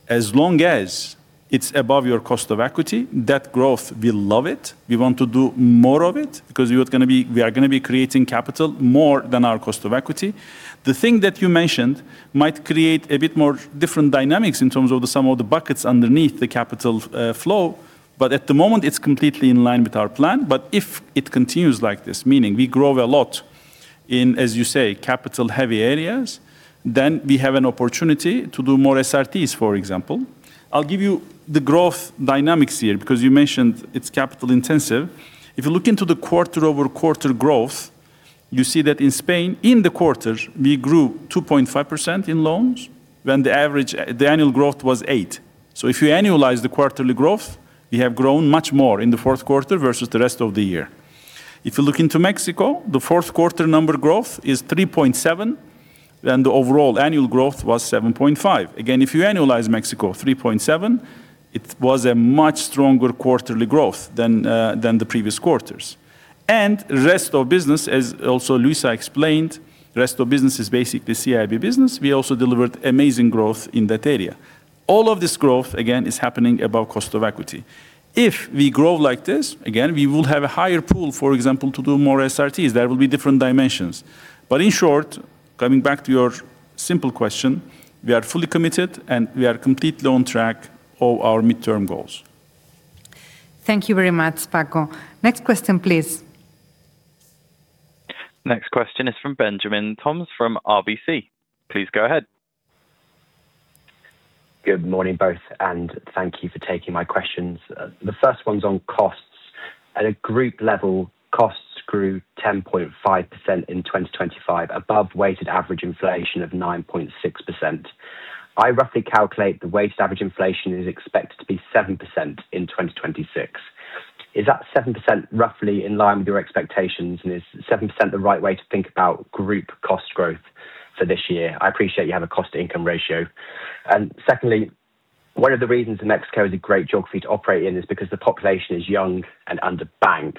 as long as it's above your cost of equity, that growth, we love it. We want to do more of it because you are gonna be-- we are gonna be creating capital more than our cost of equity. The thing that you mentioned might create a bit more different dynamics in terms of the sum of the buckets underneath the capital flow, but at the moment, it's completely in line with our plan. But if it continues like this, meaning we grow a lot in, as you say, capital-heavy areas, then we have an opportunity to do more SRTs, for example. I'll give you the growth dynamics here because you mentioned it's capital intensive. If you look into the quarter-over-quarter growth, you see that in Spain, in the quarter, we grew 2.5% in loans, when the average-- the annual growth was 8%. So if you annualize the quarterly growth, we have grown much more in the fourth quarter versus the rest of the year. If you look into Mexico, the fourth quarter number growth is 3.7, and the overall annual growth was 7.5. Again, if you annualize Mexico, 3.7, it was a much stronger quarterly growth than the Rest of Business, as also Rest of Business is basically CIB business. We also delivered amazing growth in that area. All of this growth, again, is happening above cost of equity. If we grow like this, again, we will have a higher pool, for example, to do more SRTs. There will be different dimensions. But in short, coming back to your simple question, we are fully committed, and we are completely on track of our midterm goals. Thank you very much, Paco. Next question, please. Next question is from Benjamin Toms from RBC. Please go ahead. Good morning, both, and thank you for taking my questions. The first one's on costs. At a group level, costs grew 10.5% in 2025, above weighted average inflation of 9.6%. I roughly calculate the weighted average inflation is expected to be 7% in 2026. Is that 7% roughly in line with your expectations, and is 7% the right way to think about group cost growth for this year? I appreciate you have a cost-to-income ratio. And secondly, one of the reasons Mexico is a great geography to operate in is because the population is young and underbanked.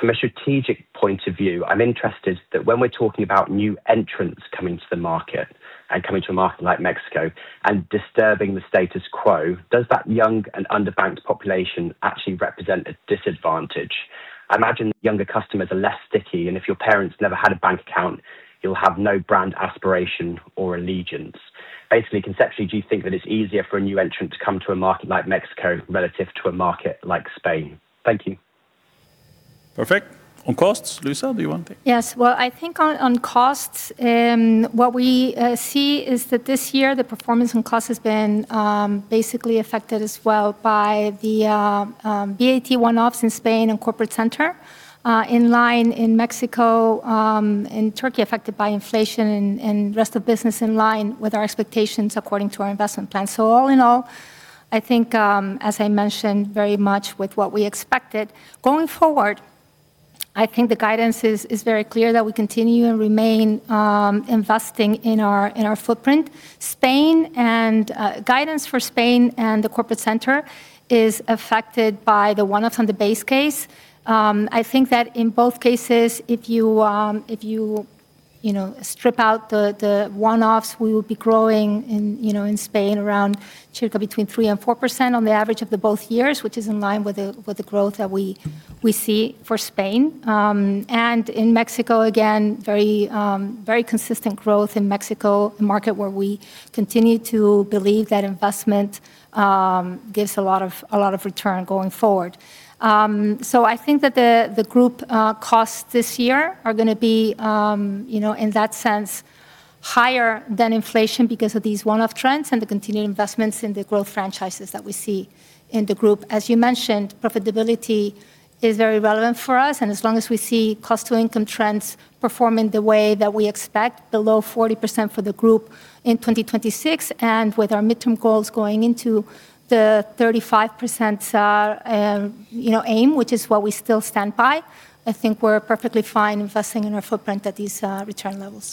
From a strategic point of view, I'm interested that when we're talking about new entrants coming to the market and coming to a market like Mexico and disturbing the status quo, does that young and underbanked population actually represent a disadvantage? I imagine younger customers are less sticky, and if your parents never had a bank account, you'll have no brand aspiration or allegiance. Basically, conceptually, do you think that it's easier for a new entrant to come to a market like Mexico relative to a market like Spain? Thank you. Perfect. On costs, Luisa, do you want to take? Yes. Well, I think on costs, what we see is that this year, the performance on costs has been basically affected as well by the VAT one-offs in Spain and Corporate Center, in line in Mexico, and Turkey, affected by Rest of Business in line with our expectations according to our investment plan. So all in all, I think, as I mentioned, very much with what we expected. Going forward, I think the guidance is very clear that we continue and remain investing in our footprint. Spain and guidance for Spain and the Corporate Center is affected by the one-offs on the base case. I think that in both cases, if you, if you, you know, strip out the one-offs, we will be growing in Spain around circa between 3%-4% on the average of both years, which is in line with the growth that we see for Spain. And in Mexico, again, very, very consistent growth in Mexico, a market where we continue to believe that investment gives a lot of, a lot of return going forward. So I think that the group costs this year are gonna be, you know, in that sense, higher than inflation because of these one-off trends and the continuing investments in the growth franchises that we see in the group. As you mentioned, profitability is very relevant for us, and as long as we see cost-to-income trends performing the way that we expect, below 40% for the group in 2026, and with our midterm goals going into the 35%, you know, aim, which is what we still stand by, I think we're perfectly fine investing in our footprint at these, return levels.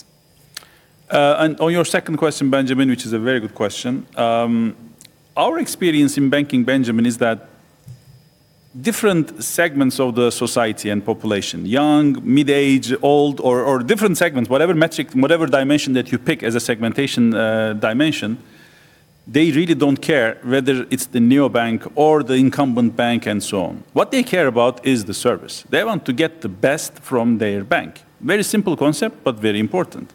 And on your second question, Benjamin, which is a very good question. Our experience in banking, Benjamin, is that different segments of the society and population, young, mid-age, old, or different segments, whatever metric, whatever dimension that you pick as a segmentation dimension, they really don't care whether it's the neobank or the incumbent bank and so on. What they care about is the service. They want to get the best from their bank. Very simple concept, but very important.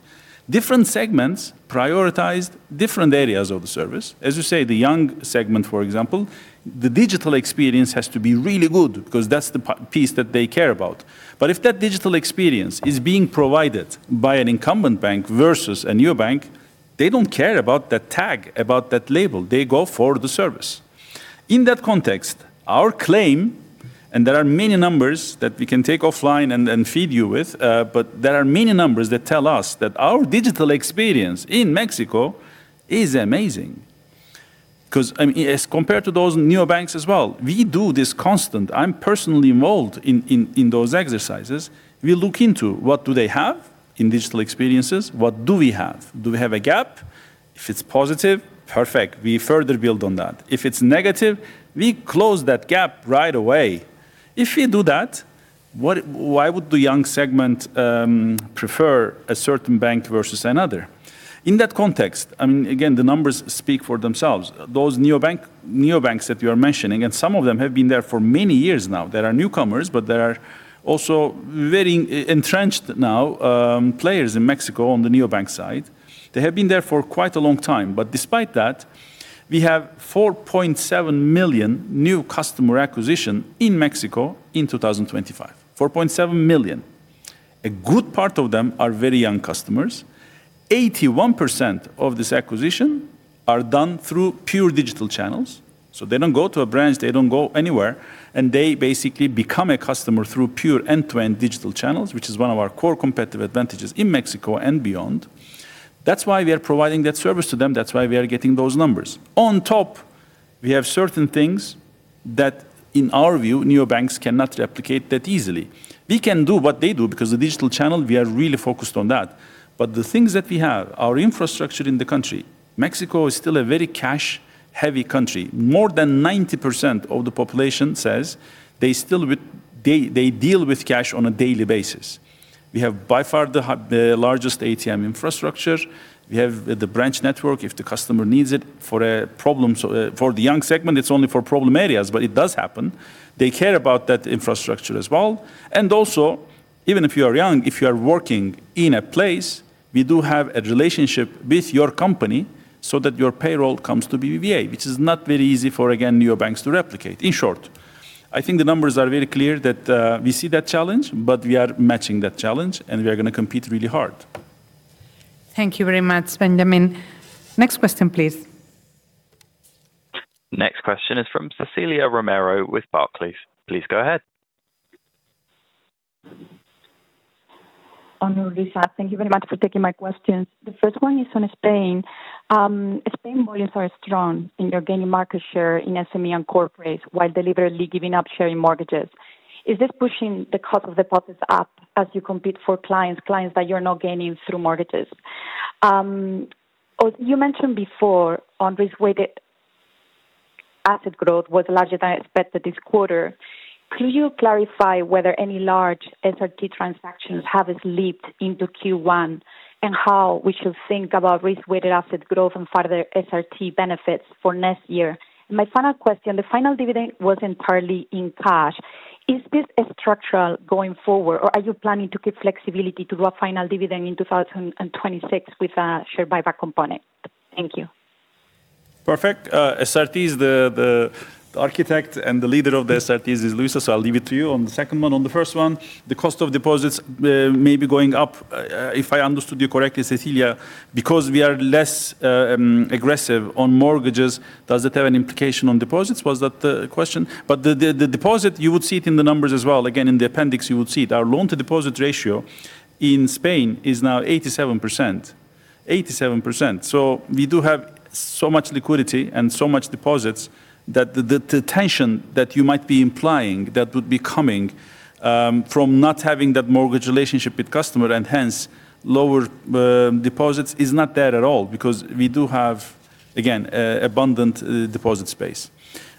Different segments prioritize different areas of the service. As you say, the young segment, for example, the digital experience has to be really good because that's the piece that they care about. But if that digital experience is being provided by an incumbent bank versus a neobank, they don't care about that tag, about that label, they go for the service. In that context, our claim, and there are many numbers that we can take offline and feed you with, but there are many numbers that tell us that our digital experience in Mexico is amazing. 'Cause, I mean, as compared to those neobanks as well, we do this constant. I'm personally involved in those exercises. We look into what do they have in digital experiences? What do we have? Do we have a gap? If it's positive, perfect, we further build on that. If it's negative, we close that gap right away. If we do that, why would the young segment prefer a certain bank versus another? In that context, I mean, again, the numbers speak for themselves. Those neobanks that you are mentioning, and some of them have been there for many years now. There are newcomers, but there are also very entrenched now players in Mexico on the neobank side. They have been there for quite a long time. But despite that, we have 4.7 million new customer acquisition in Mexico in 2025, 4.7 million. A good part of them are very young customers. 81% of this acquisition are done through pure digital channels, so they don't go to a branch, they don't go anywhere, and they basically become a customer through pure end-to-end digital channels, which is one of our core competitive advantages in Mexico and beyond. That's why we are providing that service to them, that's why we are getting those numbers. On top, we have certain things that, in our view, neobanks cannot replicate that easily. We can do what they do, because the digital channel, we are really focused on that. But the things that we have, our infrastructure in the country, Mexico is still a very cash-heavy country. More than 90% of the population says they still deal with cash on a daily basis. We have, by far, the largest ATM infrastructure. We have the branch network, if the customer needs it. For a problem, so, for the young segment, it's only for problem areas, but it does happen. They care about that infrastructure as well. And also, even if you are young, if you are working in a place, we do have a relationship with your company so that your payroll comes to BBVA, which is not very easy for, again, neobanks to replicate. In short, I think the numbers are very clear that we see that challenge, but we are matching that challenge, and we are gonna compete really hard. Thank you very much, Benjamin. Next question, please. Next question is from Cecilia Romero with Barclays. Please go ahead. Luisa, thank you very much for taking my questions. The first one is on Spain. Spain volumes are strong, and you're gaining market share in SME and corporates, while deliberately giving up share in mortgages. Is this pushing the cost of deposits up as you compete for clients, clients that you're now gaining through mortgages? You mentioned before, on risk-weighted asset growth was larger than expected this quarter. Could you clarify whether any large SRT transactions have slipped into Q1, and how we should think about risk-weighted asset growth and further SRT benefits for next year? My final question, the final dividend was entirely in cash. Is this structural going forward, or are you planning to keep flexibility to do a final dividend in 2026 with a share buyback component? Thank you. Perfect. SRT is the architect and the leader of the SRTs is Luisa, so I'll leave it to you on the second one. On the first one, the cost of deposits may be going up, if I understood you correctly, Cecilia, because we are less aggressive on mortgages, does it have an implication on deposits? Was that the question? But the deposit, you would see it in the numbers as well. Again, in the appendix, you would see it. Our loan-to-deposit ratio in Spain is now 87%. 87%, so we do have so much liquidity and so much deposits that the tension that you might be implying that would be coming from not having that mortgage relationship with customer and hence lower deposits, is not there at all, because we do have, again, abundant deposit space.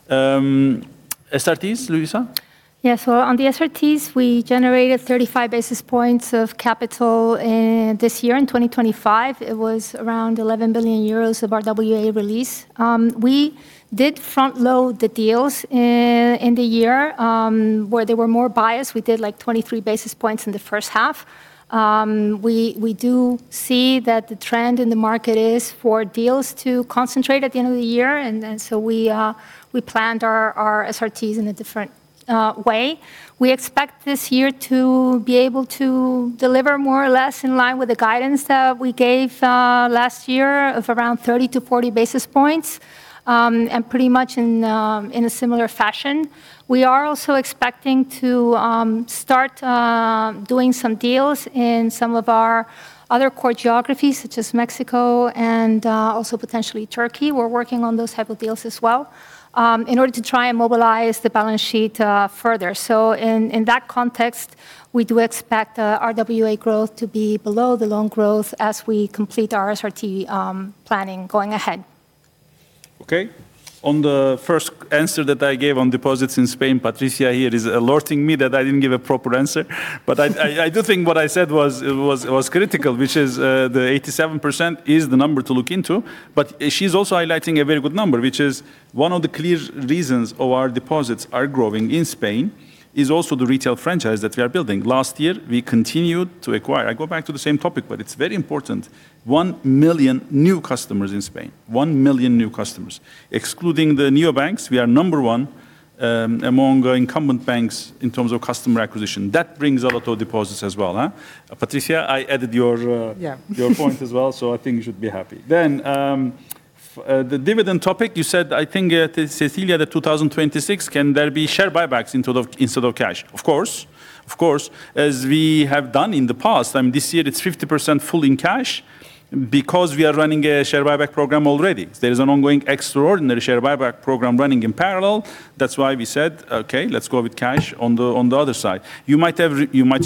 SRTs, Luisa? Yeah. So on the SRTs, we generated 35 basis points of capital this year. In 2025, it was around 11 billion euros of RWA release. We did front-load the deals in the year where they were more biased. We did, like, 23 basis points in the first half. We do see that the trend in the market is for deals to concentrate at the end of the year, and then so we planned our SRTs in a different way. We expect this year to be able to deliver more or less in line with the guidance that we gave last year of around 30-40 basis points, and pretty much in a similar fashion. We are also expecting to start doing some deals in some of our other core geographies, such as Mexico and also potentially Turkey. We're working on those type of deals as well, in order to try and mobilize the balance sheet further. So in that context, we do expect RWA growth to be below the loan growth as we complete our SRT planning going ahead. Okay. On the first answer that I gave on deposits in Spain, Patricia here is alerting me that I didn't give a proper answer. But I do think what I said was critical, which is the 87% is the number to look into. But she's also highlighting a very good number, which is one of the clear reasons our deposits are growing in Spain, is also the retail franchise that we are building. Last year, we continued to acquire... I go back to the same topic, but it's very important. 1 million new customers in Spain. 1 million new customers. Excluding the neobanks, we are number one among the incumbent banks in terms of customer acquisition. That brings a lot of deposits as well, huh? Patricia, I added your, Yeah... your point as well, so I think you should be happy. Then, the dividend topic, you said, I think, Cecilia, that 2026, can there be share buybacks into the, instead of cash? Of course. Of course, as we have done in the past, and this year it's 50% full in cash because we are running a share buyback program already. There is an ongoing extraordinary share buyback program running in parallel. That's why we said, "Okay, let's go with cash on the, on the other side." You might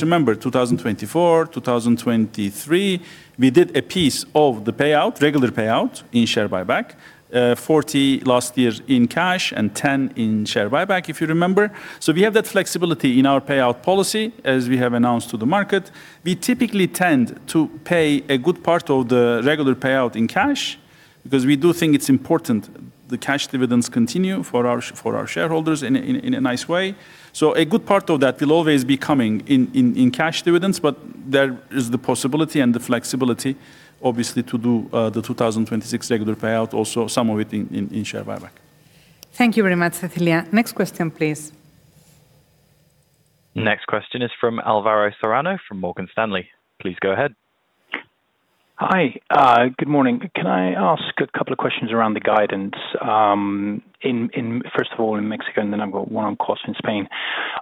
remember, 2024, 2023, we did a piece of the payout, regular payout in share buyback. 40 last year in cash and 10 in share buyback, if you remember. So we have that flexibility in our payout policy, as we have announced to the market. We typically tend to pay a good part of the regular payout in cash, because we do think it's important the cash dividends continue for our shareholders in a nice way. So a good part of that will always be coming in cash dividends, but there is the possibility and the flexibility, obviously, to do the 2026 regular payout, also some of it in share buyback. Thank you very much, Cecilia. Next question, please. Next question is from Alvaro Serrano from Morgan Stanley. Please go ahead. Hi, good morning. Can I ask a couple of questions around the guidance? First of all, in Mexico, and then I've got one on cost in Spain.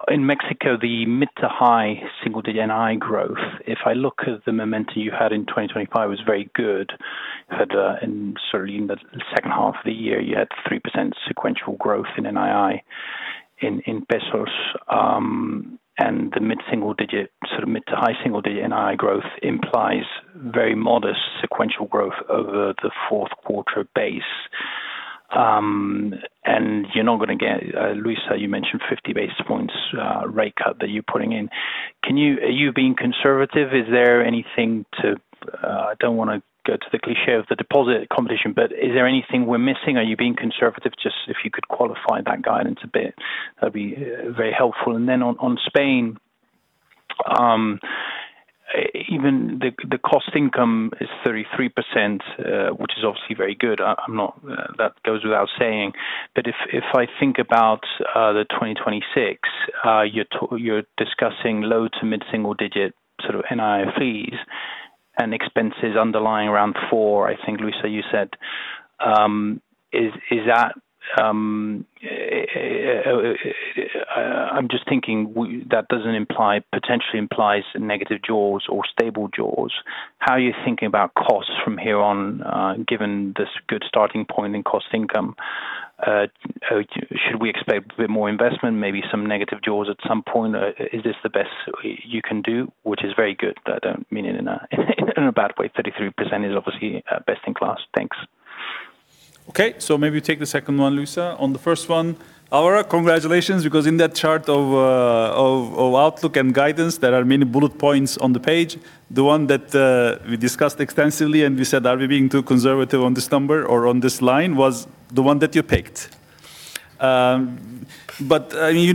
In Mexico, the mid- to high single-digit NII growth, if I look at the momentum you had in 2025, was very good. And certainly in the second half of the year, you had 3% sequential growth in NII in pesos. And the mid-single-digit, sort of mid- to high single-digit NII growth implies very modest sequential growth over the fourth quarter base. And you're not gonna get, Luisa, you mentioned 50 basis points rate cut that you're putting in. Can you are you being conservative? Is there anything to... I don't wanna go to the cliché of the deposit competition, but is there anything we're missing? Are you being conservative? Just if you could qualify that guidance a bit, that'd be very helpful. And then on Spain, even the cost income is 33%, which is obviously very good. I'm not, that goes without saying, but if I think about the 2026, you're discussing low- to mid-single-digit sort of NII, fees and expenses underlying around 4%, I think, Luisa, you said. Is that, I'm just thinking, that doesn't imply, potentially implies negative jaws or stable jaws. How are you thinking about costs from here on, given this good starting point in cost income? Should we expect a bit more investment, maybe some negative jaws at some point? Is this the best you can do? Which is very good. I don't mean it in a bad way. 33% is obviously best in class. Thanks. Okay, so maybe you take the second one, Luisa. On the first one, Alvaro, congratulations, because in that chart of outlook and guidance, there are many bullet points on the page. The one that we discussed extensively, and we said, "Are we being too conservative on this number or on this line?" was the one that you picked. But, you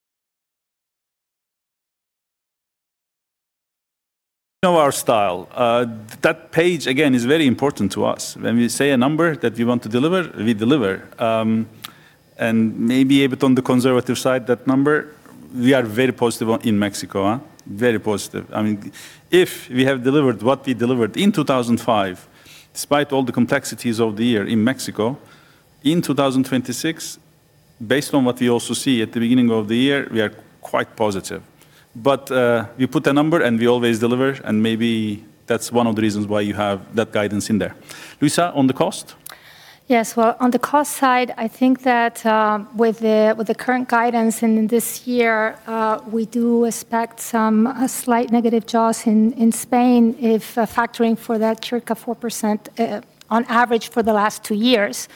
know our style. That page, again, is very important to us. When we say a number that we want to deliver, we deliver. And maybe a bit on the conservative side, that number, we are very positive on in Mexico, huh? Very positive. I mean, if we have delivered what we delivered in 2025, despite all the complexities of the year in Mexico, in 2026, based on what we also see at the beginning of the year, we are quite positive. But, we put a number, and we always deliver, and maybe that's one of the reasons why you have that guidance in there. Luisa, on the cost? Yes, well, on the cost side, I think that, with the current guidance in this year, we do expect some slight negative jaws in Spain if factoring for that tick of 4%, on average for the last two years.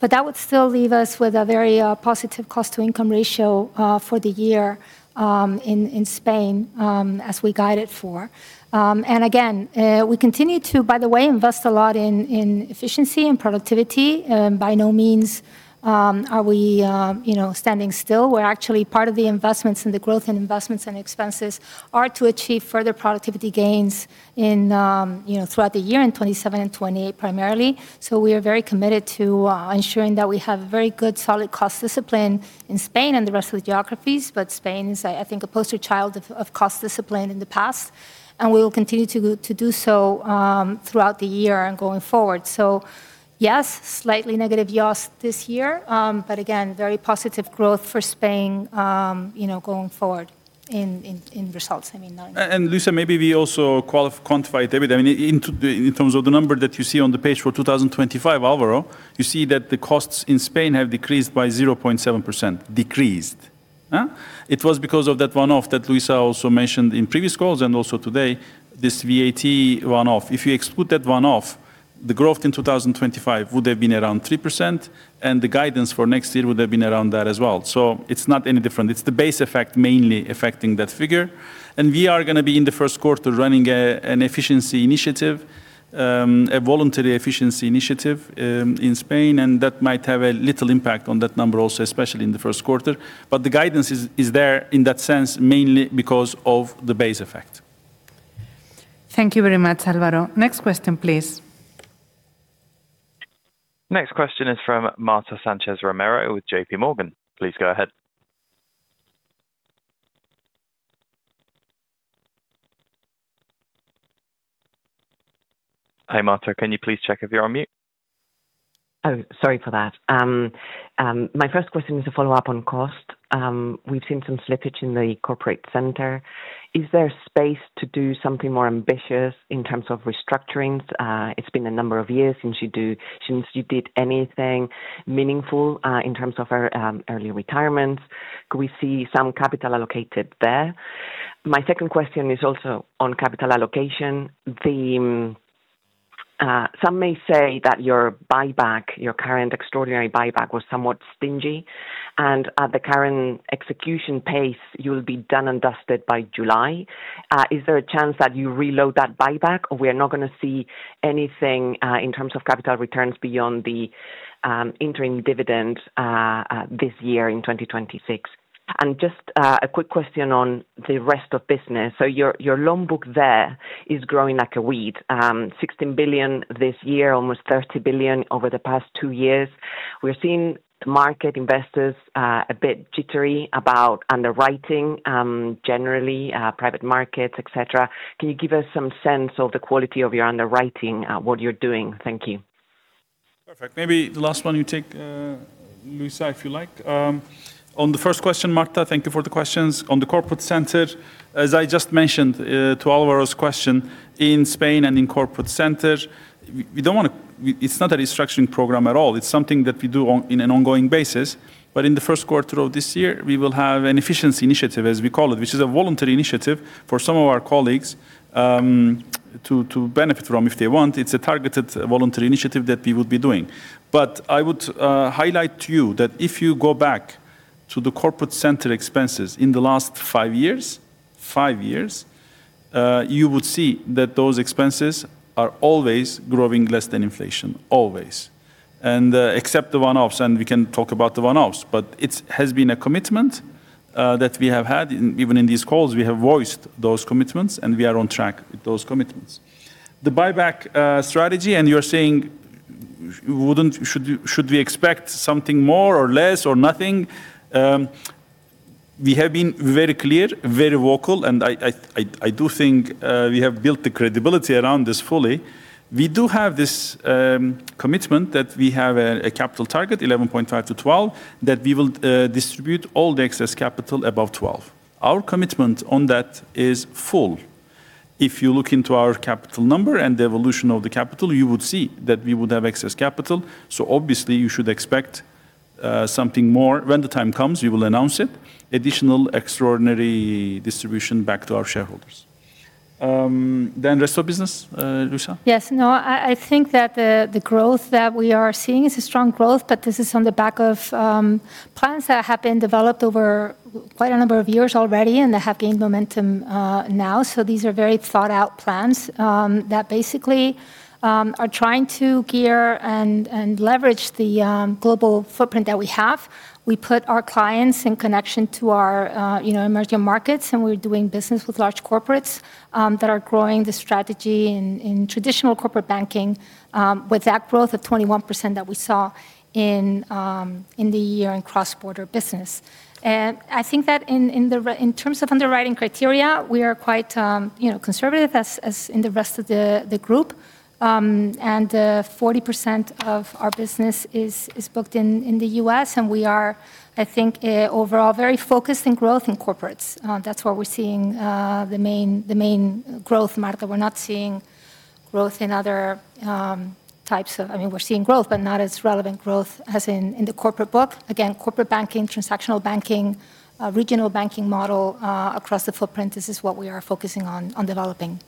But that would still leave us with a very positive cost-to-income ratio for the year in Spain, as we guide it for. And again, we continue to, by the way, invest a lot in efficiency and productivity. By no means are we, you know, standing still. We're actually part of the investments, and the growth in investments and expenses are to achieve further productivity gains in, you know, throughout the year in 2027 and 2028, primarily. So we are very committed to ensuring that we have very good, solid cost discipline in Spain and the rest of the geographies, but Spain is, I think, a poster child of cost discipline in the past, and we will continue to do so throughout the year and going forward. So yes, slightly negative jaws this year, but again, very positive growth for Spain, you know, going forward in results, I mean. And, Luisa, maybe we also quantify a bit. I mean, in terms of the number that you see on the page for 2025, Alvaro, you see that the costs in Spain have decreased by 0.7%. Decreased, huh? It was because of that one-off that Luisa also mentioned in previous calls and also today, this VAT one-off. If you exclude that one-off, the growth in 2025 would have been around 3%, and the guidance for next year would have been around that as well. So it's not any different. It's the base effect mainly affecting that figure, and we are gonna be in the first quarter running an efficiency initiative, a voluntary efficiency initiative, in Spain, and that might have a little impact on that number also, especially in the first quarter. But the guidance is there in that sense, mainly because of the base effect. Thank you very much, Alvaro. Next question, please. Next question is from Marta Sanchez Romero with J.P. Morgan. Please go ahead. Hi, Marta, can you please check if you're on mute? Oh, sorry for that. My first question is a follow-up on cost. We've seen some slippage in the Corporate Center. Is there space to do something more ambitious in terms of restructurings? It's been a number of years since you did anything meaningful in terms of early retirements. Could we see some capital allocated there? My second question is also on capital allocation. Some may say that your buyback, your current extraordinary buyback, was somewhat stingy, and at the current execution pace, you'll be done and dusted by July. Is there a chance that you reload that buyback, or we are not gonna see anything in terms of capital returns beyond the interim dividend this year in 2026? And just a quick question on the Rest of Business. So your loan book there is growing like a weed, 16 billion this year, almost 30 billion over the past two years. We're seeing market investors a bit jittery about underwriting, generally, private markets, et cetera. Can you give us some sense of the quality of your underwriting, what you're doing? Thank you. Perfect. Maybe the last one you take, Luisa, if you like. On the first question, Marta, thank you for the questions. On the Corporate Center, as I just mentioned, to Alvaro's question, in Spain and in Corporate Center, we don't want to... it's not a restructuring program at all. It's something that we do on, in an ongoing basis. But in the first quarter of this year, we will have an efficiency initiative, as we call it, which is a voluntary initiative for some of our colleagues, to benefit from if they want. It's a targeted voluntary initiative that we will be doing. But I would highlight to you that if you go back to the Corporate Center expenses in the last 5 years, 5 years, you would see that those expenses are always growing less than inflation, always, and except the one-offs, and we can talk about the one-offs. But it has been a commitment that we have had, and even in these calls, we have voiced those commitments, and we are on track with those commitments. The buyback strategy, and you're saying wouldn't... Should we expect something more or less or nothing? We have been very clear, very vocal, and I do think we have built the credibility around this fully. We do have this commitment that we have a capital target, 11.5-12, that we will distribute all the excess capital above 12. Our commitment on that is full. If you look into our capital number and the evolution of the capital, you would see that we would have excess capital, so obviously you should expect something more. When the time comes, we will announce it, additional extraordinary distribution back to our then Rest of Business, Luisa? Yes. No, I think that the growth that we are seeing is a strong growth, but this is on the back of plans that have been developed over quite a number of years already and that have gained momentum now. So these are very thought-out plans that basically are trying to gear and leverage the global footprint that we have. We put our clients in connection to our, you know, emerging markets, and we're doing business with large corporates that are growing the strategy in traditional corporate banking with that growth of 21% that we saw in the year in cross-border business. I think that in terms of underwriting criteria, we are quite, you know, conservative as in the rest of the group. Forty percent of our business is booked in the U.S., and we are, I think, overall, very focused in growth in corporates. That's where we're seeing the main growth, Marta. We're not seeing growth in other types of... I mean, we're seeing growth, but not as relevant growth as in the corporate book. Again, corporate banking, transactional banking, regional banking model across the footprint, this is what we are focusing on developing.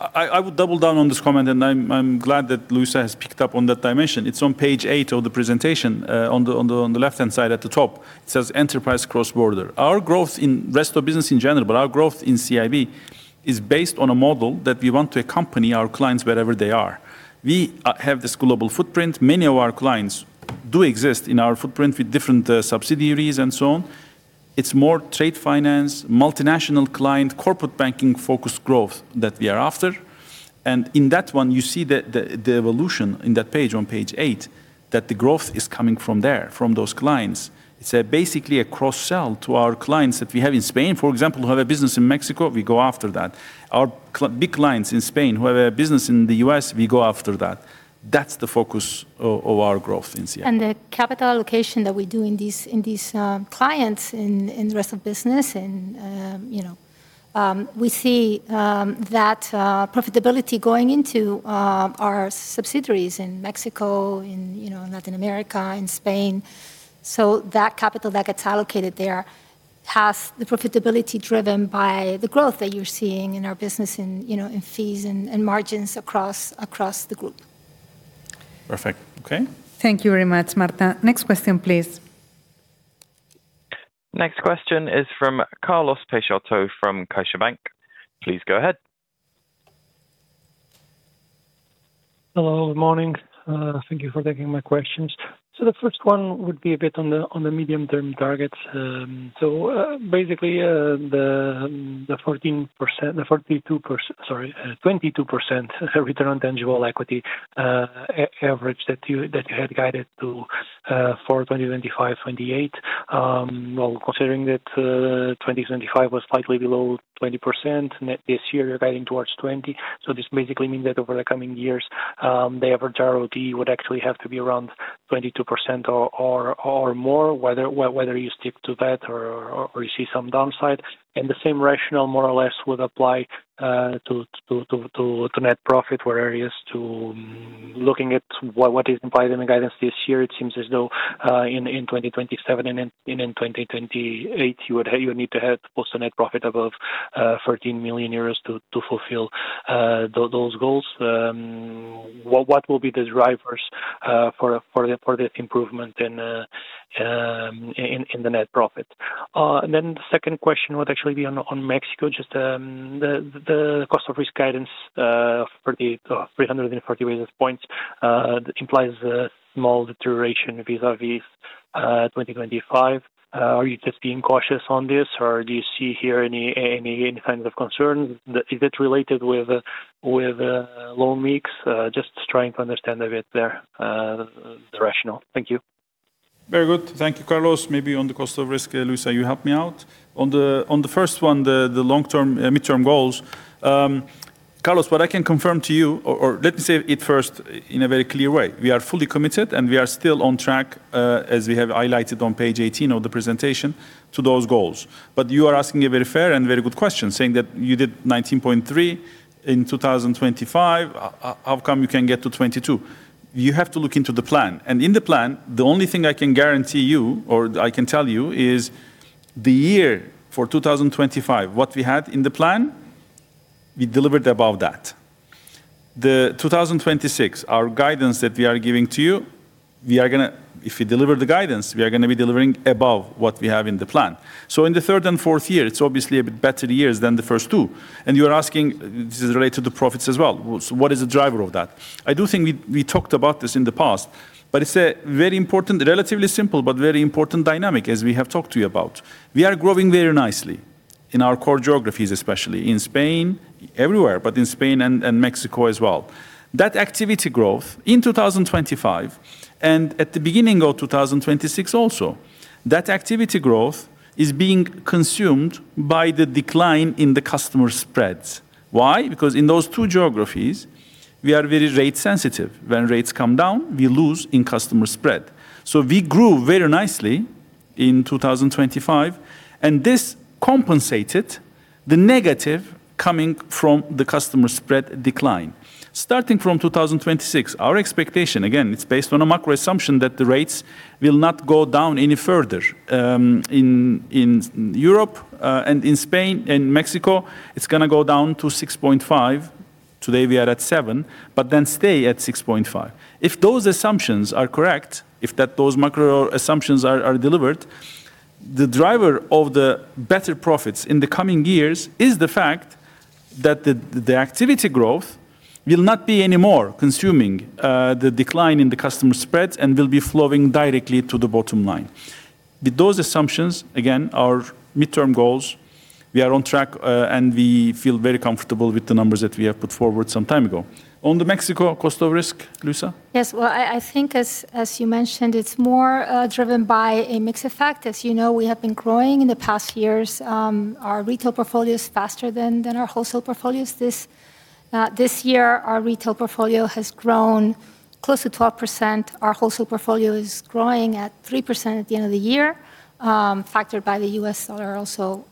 I would double down on this comment, and I'm glad that Luisa has picked up on that dimension. It's on page 8 of the presentation. On the left-hand side at the top, it says, "Enterprise cross-border." Our Rest of Business in general, but our growth in CIB is based on a model that we want to accompany our clients wherever they are. We have this global footprint. Many of our clients do exist in our footprint with different subsidiaries and so on. It's more trade finance, multinational client, corporate banking-focused growth that we are after. And in that one, you see the evolution in that page, on page 8, that the growth is coming from there, from those clients. It's basically a cross-sell to our clients that we have in Spain, for example, who have a business in Mexico. We go after that. Our big clients in Spain who have a business in the US, we go after that. That's the focus of our growth in CIB. The capital allocation that we do in these clients Rest of Business and, you know, we see that profitability going into our subsidiaries in Mexico, you know, Latin America, in Spain. So that capital that gets allocated there has the profitability driven by the growth that you're seeing in our business, you know, in fees and margins across the group. Perfect. Okay. Thank you very much, Marta. Next question, please. Next question is from Carlos Peixoto from CaixaBank. Please go ahead. Hello, good morning. Thank you for taking my questions. So the first one would be a bit on the medium-term targets. So, basically, the 14%, the 42%—sorry, 22% return on tangible equity, average that you had guided to, for 2025, 2028. Well, considering that, 2025 was slightly below 20%, net this year, you're guiding towards 20. So this basically means that over the coming years, the average ROTE would actually have to be around 22% or more, whether you stick to that or you see some downside. And the same rationale, more or less, would apply to net profit, where areas to... Looking at what is implied in the guidance this year, it seems as though in 2027 and in 2028, you would have you would need to have post a net profit above 13 million euros to fulfill those goals. What will be the drivers for this improvement in the net profit? And then the second question would actually be on Mexico. Just the cost of risk guidance for the three hundred and forty basis points implies a small deterioration vis-a-vis 2025. Are you just being cautious on this, or do you see here any kinds of concerns? Is it related with loan mix? Just trying to understand a bit there the rationale. Thank you. Very good. Thank you, Carlos. Maybe on the cost of risk, Luisa, you help me out. On the first one, the long-term mid-term goals, Carlos, what I can confirm to you, or let me say it first in a very clear way, we are fully committed, and we are still on track, as we have highlighted on page 18 of the presentation, to those goals. But you are asking a very fair and very good question, saying that you did 19.3 in 2025, how come you can get to 22? You have to look into the plan, and in the plan, the only thing I can guarantee you or I can tell you is the year for 2025, what we had in the plan, we delivered above that. The 2026, our guidance that we are giving to you, we are gonna... If we deliver the guidance, we are gonna be delivering above what we have in the plan. So in the third and fourth year, it's obviously a bit better years than the first two. And you are asking, this is related to the profits as well, so what is the driver of that? I do think we, we talked about this in the past, but it's a very important, relatively simple, but very important dynamic, as we have talked to you about. We are growing very nicely in our core geographies, especially in Spain, everywhere, but in Spain and, and Mexico as well. That activity growth in 2025 and at the beginning of 2026 also, that activity growth is being consumed by the decline in the customer spreads. Why? Because in those two geographies, we are very rate sensitive. When rates come down, we lose in customer spread. So we grew very nicely in 2025, and this compensated the negative coming from the customer spread decline. Starting from 2026, our expectation, again, it's based on a macro assumption that the rates will not go down any further. In, in Europe, and in Spain and Mexico, it's gonna go down to 6.5. Today, we are at 7, but then stay at 6.5. If those assumptions are correct, if that those macro assumptions are, are delivered, the driver of the better profits in the coming years is the fact that the, the activity growth will not be any more consuming, the decline in the customer spreads and will be flowing directly to the bottom line. With those assumptions, again, our midterm goals, we are on track, and we feel very comfortable with the numbers that we have put forward some time ago. On the Mexico cost of risk, Luisa? Yes. Well, I think as you mentioned, it's more driven by a mix effect. As you know, we have been growing in the past years our retail portfolios faster than our wholesale portfolios. This year, our retail portfolio has grown close to 12%. Our wholesale portfolio is growing at 3% at the end of the year, factored by the US dollar also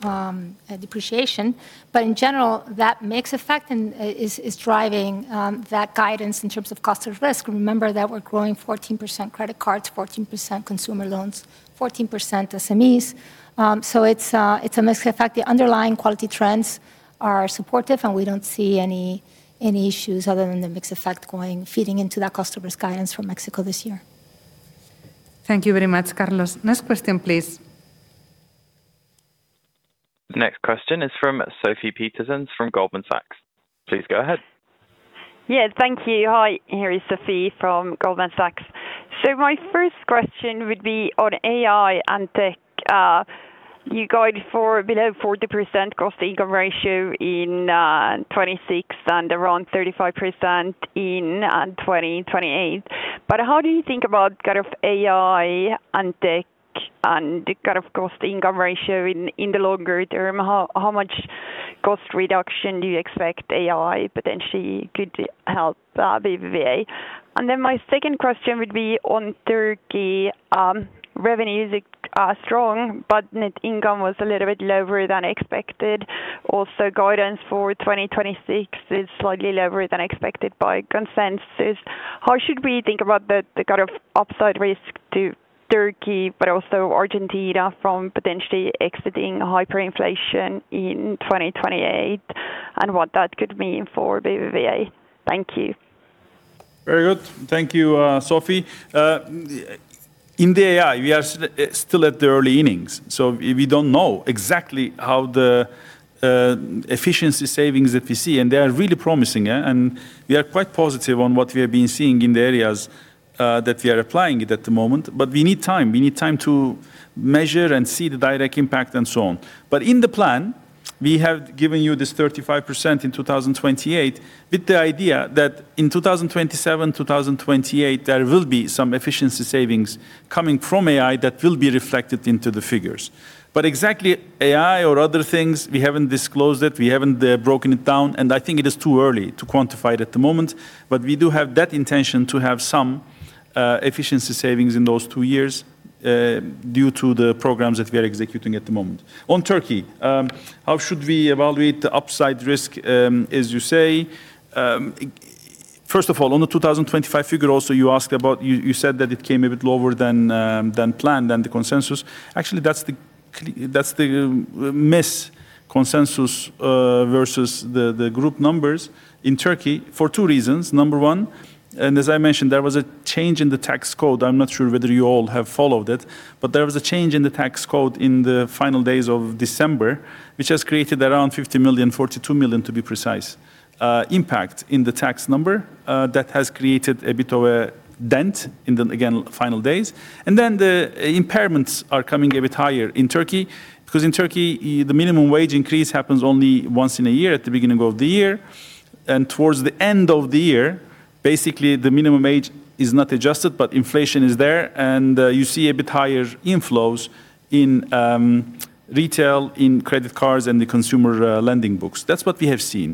depreciation. But in general, that mix effect and is driving that guidance in terms of cost of risk. Remember that we're growing 14% credit cards, 14% consumer loans, 14% SMEs. So it's a mix effect. The underlying quality trends are supportive, and we don't see any issues other than the mix effect going, feeding into that customer's guidance from Mexico this year. Thank you very much, Carlos. Next question, please. The next question is from Sofie Peterzens from Goldman Sachs. Please go ahead. Yeah, thank you. Hi, here is Sophie from Goldman Sachs. So my first question would be on AI and tech. You guide for below 40% cost-to-income ratio in 2026 and around 35% in 2028. But how do you think about kind of AI and tech and the kind of cost-income ratio in the longer term? How much cost reduction do you expect AI potentially could help BBVA? And then my second question would be on Turkey. Revenues are strong, but net income was a little bit lower than expected. Also, guidance for 2026 is slightly lower than expected by consensus. How should we think about the kind of upside risk to Turkey, but also Argentina, from potentially exiting hyperinflation in 2028 and what that could mean for BBVA? Thank you.... Very good. Thank you, Sophie. In the AI, we are still at, still at the early innings, so we don't know exactly how the efficiency savings that we see, and they are really promising, eh? And we are quite positive on what we have been seeing in the areas that we are applying it at the moment, but we need time. We need time to measure and see the direct impact, and so on. But in the plan, we have given you this 35% in 2028, with the idea that in 2027, 2028, there will be some efficiency savings coming from AI that will be reflected into the figures. But exactly, AI or other things, we haven't disclosed it, we haven't broken it down, and I think it is too early to quantify it at the moment. But we do have that intention to have some efficiency savings in those two years due to the programs that we are executing at the moment. On Turkey, how should we evaluate the upside risk as you say? First of all, on the 2025 figure also, you asked about. You said that it came a bit lower than planned, than the consensus. Actually, that's the miss consensus versus the group numbers in Turkey for two reasons. Number one, and as I mentioned, there was a change in the tax code. I'm not sure whether you all have followed it, but there was a change in the tax code in the final days of December, which has created around 50 million, 42 million, to be precise, impact in the tax number, that has created a bit of a dent in the, again, final days. And then the impairments are coming a bit higher in Turkey, because in Turkey, the minimum wage increase happens only once in a year, at the beginning of the year, and towards the end of the year, basically, the minimum wage is not adjusted, but inflation is there, and you see a bit higher inflows in retail, in credit cards, and the consumer lending books. That's what we have seen.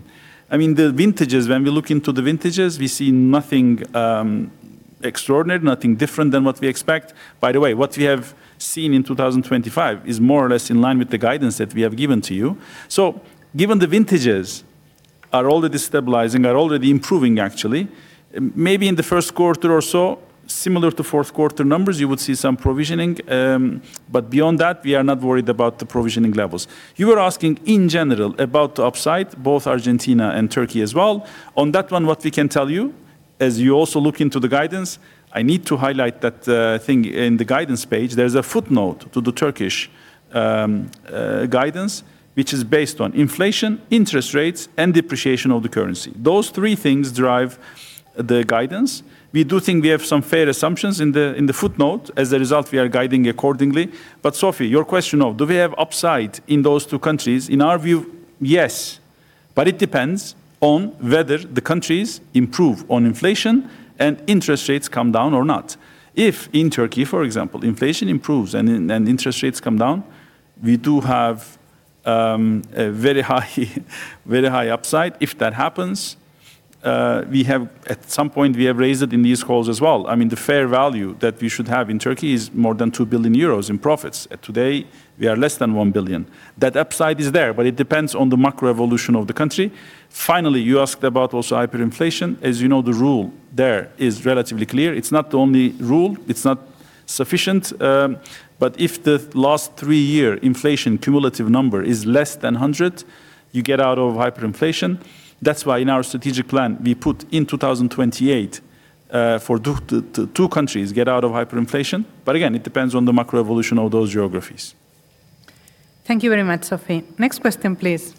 I mean, the vintages, when we look into the vintages, we see nothing extraordinary, nothing different than what we expect. By the way, what we have seen in 2025 is more or less in line with the guidance that we have given to you. So given the vintages are already stabilizing, are already improving, actually, maybe in the first quarter or so, similar to fourth quarter numbers, you would see some provisioning, but beyond that, we are not worried about the provisioning levels. You were asking in general about the upside, both Argentina and Turkey as well. On that one, what we can tell you, as you also look into the guidance, I need to highlight that, thing in the guidance page, there's a footnote to the Turkish, guidance, which is based on inflation, interest rates, and depreciation of the currency. Those three things drive the guidance. We do think we have some fair assumptions in the footnote. As a result, we are guiding accordingly. But Sophie, your question of: do we have upside in those two countries? In our view, yes, but it depends on whether the countries improve on inflation and interest rates come down or not. If in Turkey, for example, inflation improves and interest rates come down, we do have a very high, very high upside. If that happens, we have... At some point, we have raised it in these calls as well. I mean, the fair value that we should have in Turkey is more than 2 billion euros in profits. Today, we are less than 1 billion. That upside is there, but it depends on the macro evolution of the country. Finally, you asked about also hyperinflation. As you know, the rule there is relatively clear. It's not the only rule, it's not sufficient, but if the last three-year inflation cumulative number is less than 100, you get out of hyperinflation. That's why in our strategic plan, we put in 2028 for the two countries get out of hyperinflation. But again, it depends on the macro evolution of those geographies. Thank you very much, Sophie. Next question, please.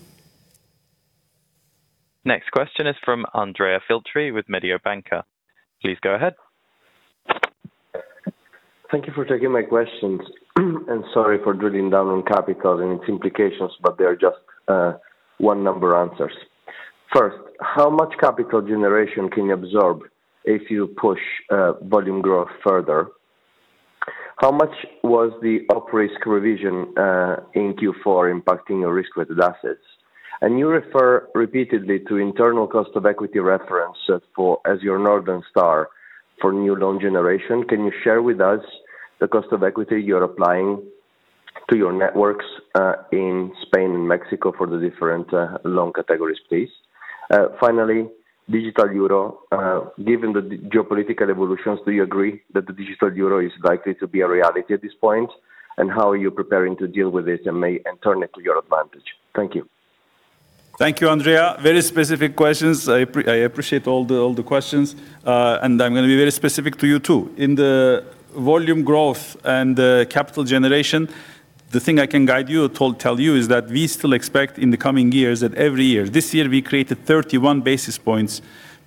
Next question is from Andrea Filtri with Mediobanca. Please go ahead. Thank you for taking my questions, and sorry for drilling down on capital and its implications, but they are just, one number answers. First, how much capital generation can you absorb if you push, volume growth further? How much was the op risk revision, in Q4 impacting your risk-weighted assets? And you refer repeatedly to internal cost of equity reference for-- as your Northern Star for new loan generation. Can you share with us the cost of equity you're applying to your networks, in Spain and Mexico for the different, loan categories, please? Finally, Digital Euro. Given the geopolitical evolutions, do you agree that the Digital Euro is likely to be a reality at this point? And how are you preparing to deal with this and may-- and turn it to your advantage? Thank you. Thank you, Andrea. Very specific questions. I appreciate all the, all the questions, and I'm gonna be very specific to you, too. In the volume growth and the capital generation, the thing I can guide you or tell you is that we still expect in the coming years, that every year... This year, we created 31 basis points,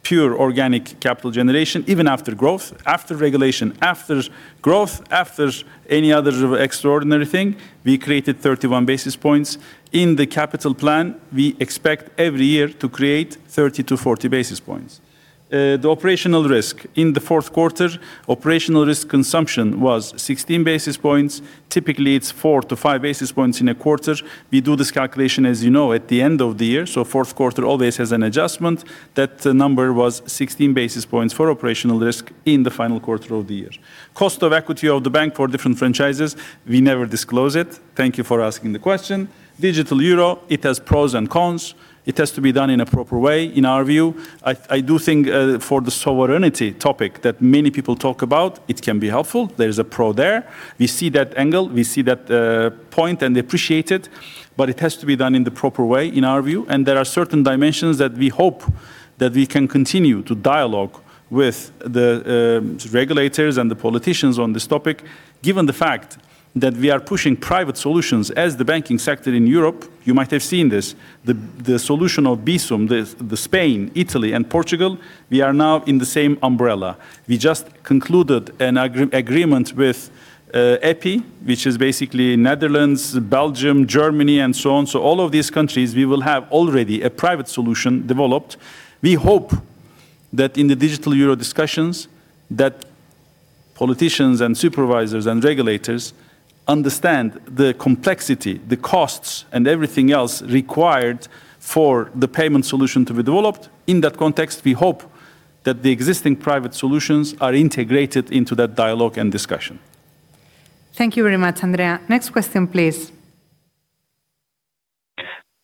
pure organic capital generation, even after growth, after regulation. After growth, after any other extraordinary thing, we created 31 basis points. In the capital plan, we expect every year to create 30-40 basis points. The operational risk in the fourth quarter, operational risk consumption was 16 basis points. Typically, it's 4-5 basis points in a quarter. We do this calculation, as you know, at the end of the year, so fourth quarter always has an adjustment. That number was 16 basis points for operational risk in the final quarter of the year. Cost of equity of the bank for different franchises, we never disclose it. Thank you for asking the question. Digital Euro, it has pros and cons. It has to be done in a proper way, in our view. I, I do think, for the sovereignty topic that many people talk about, it can be helpful. There is a pro there. We see that angle, we see that point and appreciate it, but it has to be done in the proper way, in our view. And there are certain dimensions that we hope that we can continue to dialogue with the regulators and the politicians on this topic, given the fact that we are pushing private solutions as the banking sector in Europe, you might have seen this. The solution of Bizum, the Spain, Italy, and Portugal, we are now in the same umbrella. We just concluded an agreement with EPI, which is basically the Netherlands, Belgium, Germany, and so on. So all of these countries, we will have already a private solution developed. We hope that in the Digital Euro discussions, that politicians, and supervisors, and regulators understand the complexity, the costs, and everything else required for the payment solution to be developed. In that context, we hope that the existing private solutions are integrated into that dialogue and discussion. Thank you very much, Andrea. Next question, please.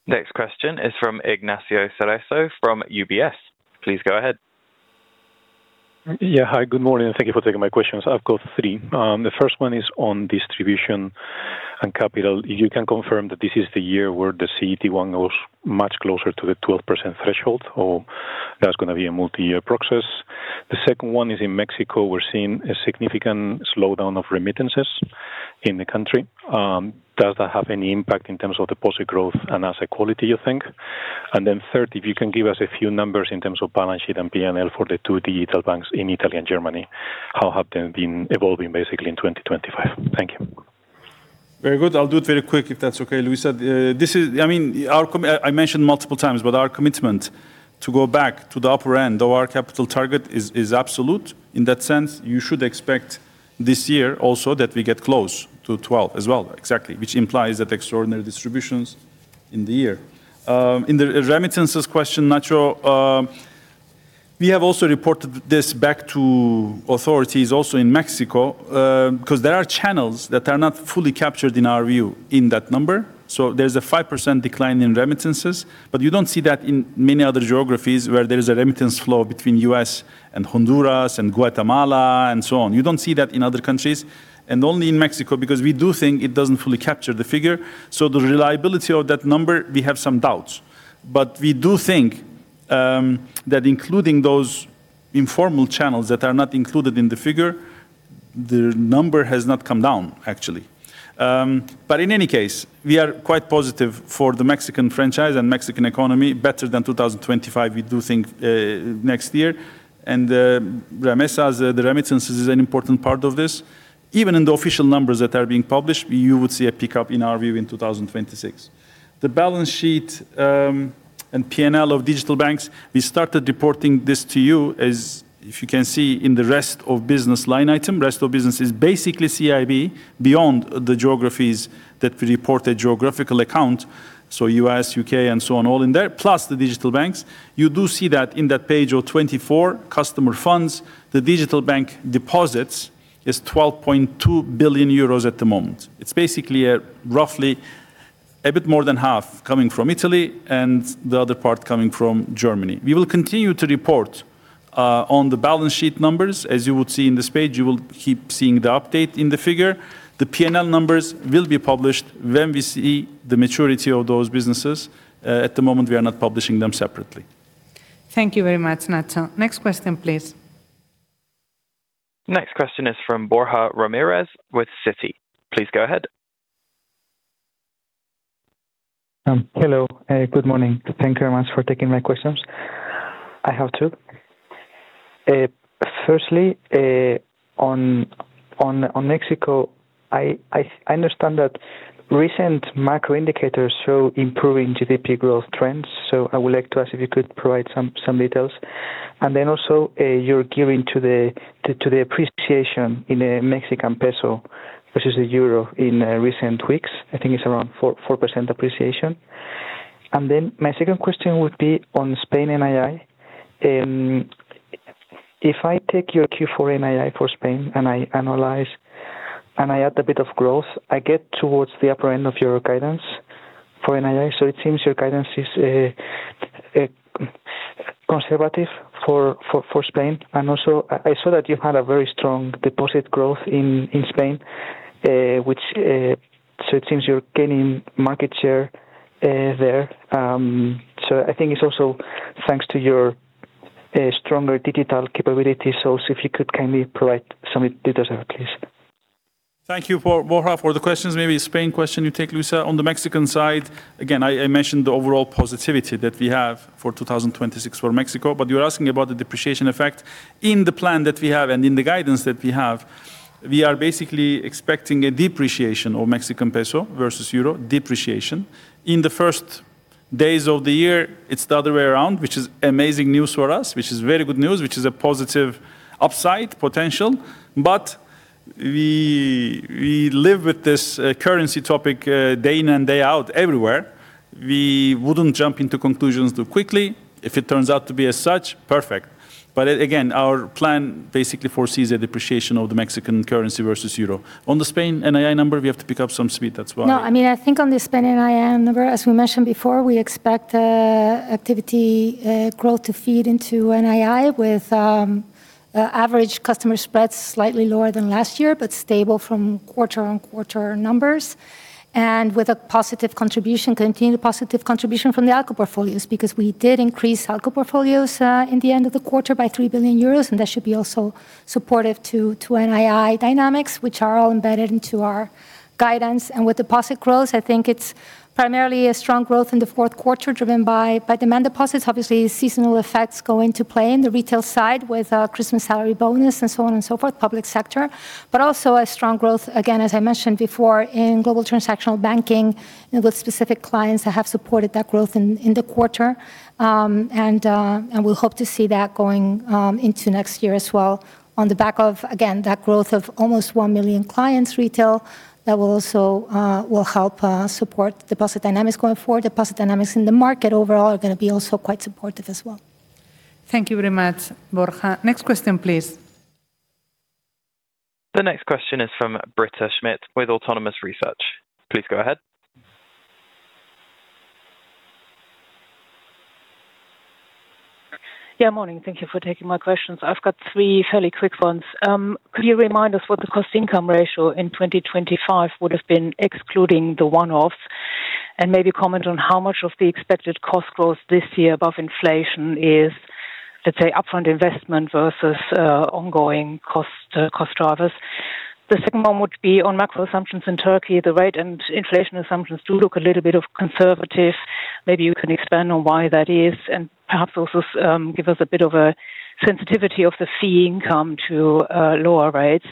Next question is from Ignacio Cerezo from UBS. Please go ahead. Yeah. Hi, good morning, and thank you for taking my questions. I've got three. The first one is on distribution and capital. You can confirm that this is the year where the CET1 goes much closer to the 12% threshold, or that's gonna be a multi-year process? The second one is in Mexico, we're seeing a significant slowdown of remittances in the country. Does that have any impact in terms of the positive growth and asset quality, you think? And then third, if you can give us a few numbers in terms of balance sheet and P&L for the two digital banks in Italy and Germany. How have they been evolving basically in 2025? Thank you. Very good. I'll do it very quick, if that's okay, Luisa. I mean, our commitment to go back to the upper end of our capital target is, is absolute. In that sense, you should expect this year also that we get close to 12 as well, exactly, which implies that extraordinary distributions in the year. In the remittances question, Ignacio, we have also reported this back to authorities also in Mexico, 'cause there are channels that are not fully captured in our view in that number. So there's a 5% decline in remittances, but you don't see that in many other geographies where there is a remittance flow between U.S., and Honduras, and Guatemala, and so on. You don't see that in other countries, and only in Mexico, because we do think it doesn't fully capture the figure. So the reliability of that number, we have some doubts. But we do think that including those informal channels that are not included in the figure, the number has not come down, actually. But in any case, we are quite positive for the Mexican franchise and Mexican economy, better than 2025, we do think, next year. And the remittances is an important part of this. Even in the official numbers that are being published, you would see a pickup, in our view, in 2026. The balance sheet and P&L of digital banks, we started reporting this to you, as if you can see Rest of Business line item. Rest of Business is basically CIB, beyond the geographies that we report a geographical account, so U.S., U.K., and so on, all in there, plus the digital banks. You do see that in that page 24, customer funds, the digital bank deposits is 12.2 billion euros at the moment. It's basically, roughly a bit more than half coming from Italy and the other part coming from Germany. We will continue to report, on the balance sheet numbers. As you would see in this page, you will keep seeing the update in the figure. The P&L numbers will be published when we see the maturity of those businesses. At the moment, we are not publishing them separately. Thank you very much, Ignacio. Next question, please. Next question is from Borja Ramirez with Citi. Please go ahead. Hello, good morning. Thank you very much for taking my questions. I have two. Firstly, on Mexico, I understand that recent macro indicators show improving GDP growth trends, so I would like to ask if you could provide some details. And then also, you're giving to the appreciation in the Mexican peso versus the euro in recent weeks. I think it's around 4% appreciation. And then my second question would be on Spain NII. If I take your Q4 NII for Spain, and I analyze, and I add a bit of growth, I get towards the upper end of your guidance for NII, so it seems your guidance is conservative for Spain. I saw that you had a very strong deposit growth in Spain, which... So it seems you're gaining market share there. So I think it's also thanks to your stronger digital capabilities. So if you could kindly provide some details there, please. Thank you, Borja, for the questions. Maybe Spain question, you take, Luisa. On the Mexican side, again, I mentioned the overall positivity that we have for 2026 for Mexico, but you're asking about the depreciation effect. In the plan that we have and in the guidance that we have, we are basically expecting a depreciation of Mexican peso versus euro, depreciation. In the first days of the year, it's the other way around, which is amazing news for us, which is very good news, which is a positive upside potential. But we live with this currency topic day in and day out everywhere. We wouldn't jump into conclusions too quickly. If it turns out to be as such, perfect. But again, our plan basically foresees a depreciation of the Mexican currency versus euro. On the Spain NII number, we have to pick up some speed, that's why- No, I mean, I think on the Spain NII number, as we mentioned before, we expect,... activity, growth to feed into NII with average customer spreads slightly lower than last year, but stable from quarter-on-quarter numbers, and with a positive contribution, continued positive contribution from the ALCO portfolios. Because we did increase ALCO portfolios in the end of the quarter by 3 billion euros, and that should be also supportive to NII dynamics, which are all embedded into our guidance. And with deposit growth, I think it's primarily a strong growth in the fourth quarter, driven by demand deposits. Obviously, seasonal effects go into play in the retail side with Christmas salary bonus, and so on and so forth, public sector. But also a strong growth, again, as I mentioned before, in global transactional banking, and with specific clients that have supported that growth in the quarter. And we'll hope to see that going into next year as well. On the back of, again, that growth of almost 1 million retail clients, that will also help support deposit dynamics going forward. Deposit dynamics in the market overall are gonna be also quite supportive as well. Thank you very much, Borja. Next question, please. The next question is from Britta Schmidt with Autonomous Research. Please go ahead. Yeah, morning. Thank you for taking my questions. I've got three fairly quick ones. Could you remind us what the cost-income ratio in 2025 would have been, excluding the one-off? And maybe comment on how much of the expected cost growth this year above inflation is, let's say, upfront investment versus ongoing cost cost drivers. The second one would be on macro assumptions in Turkey. The rate and inflation assumptions do look a little bit of conservative. Maybe you can expand on why that is, and perhaps also give us a bit of a sensitivity of the fee income to lower rates.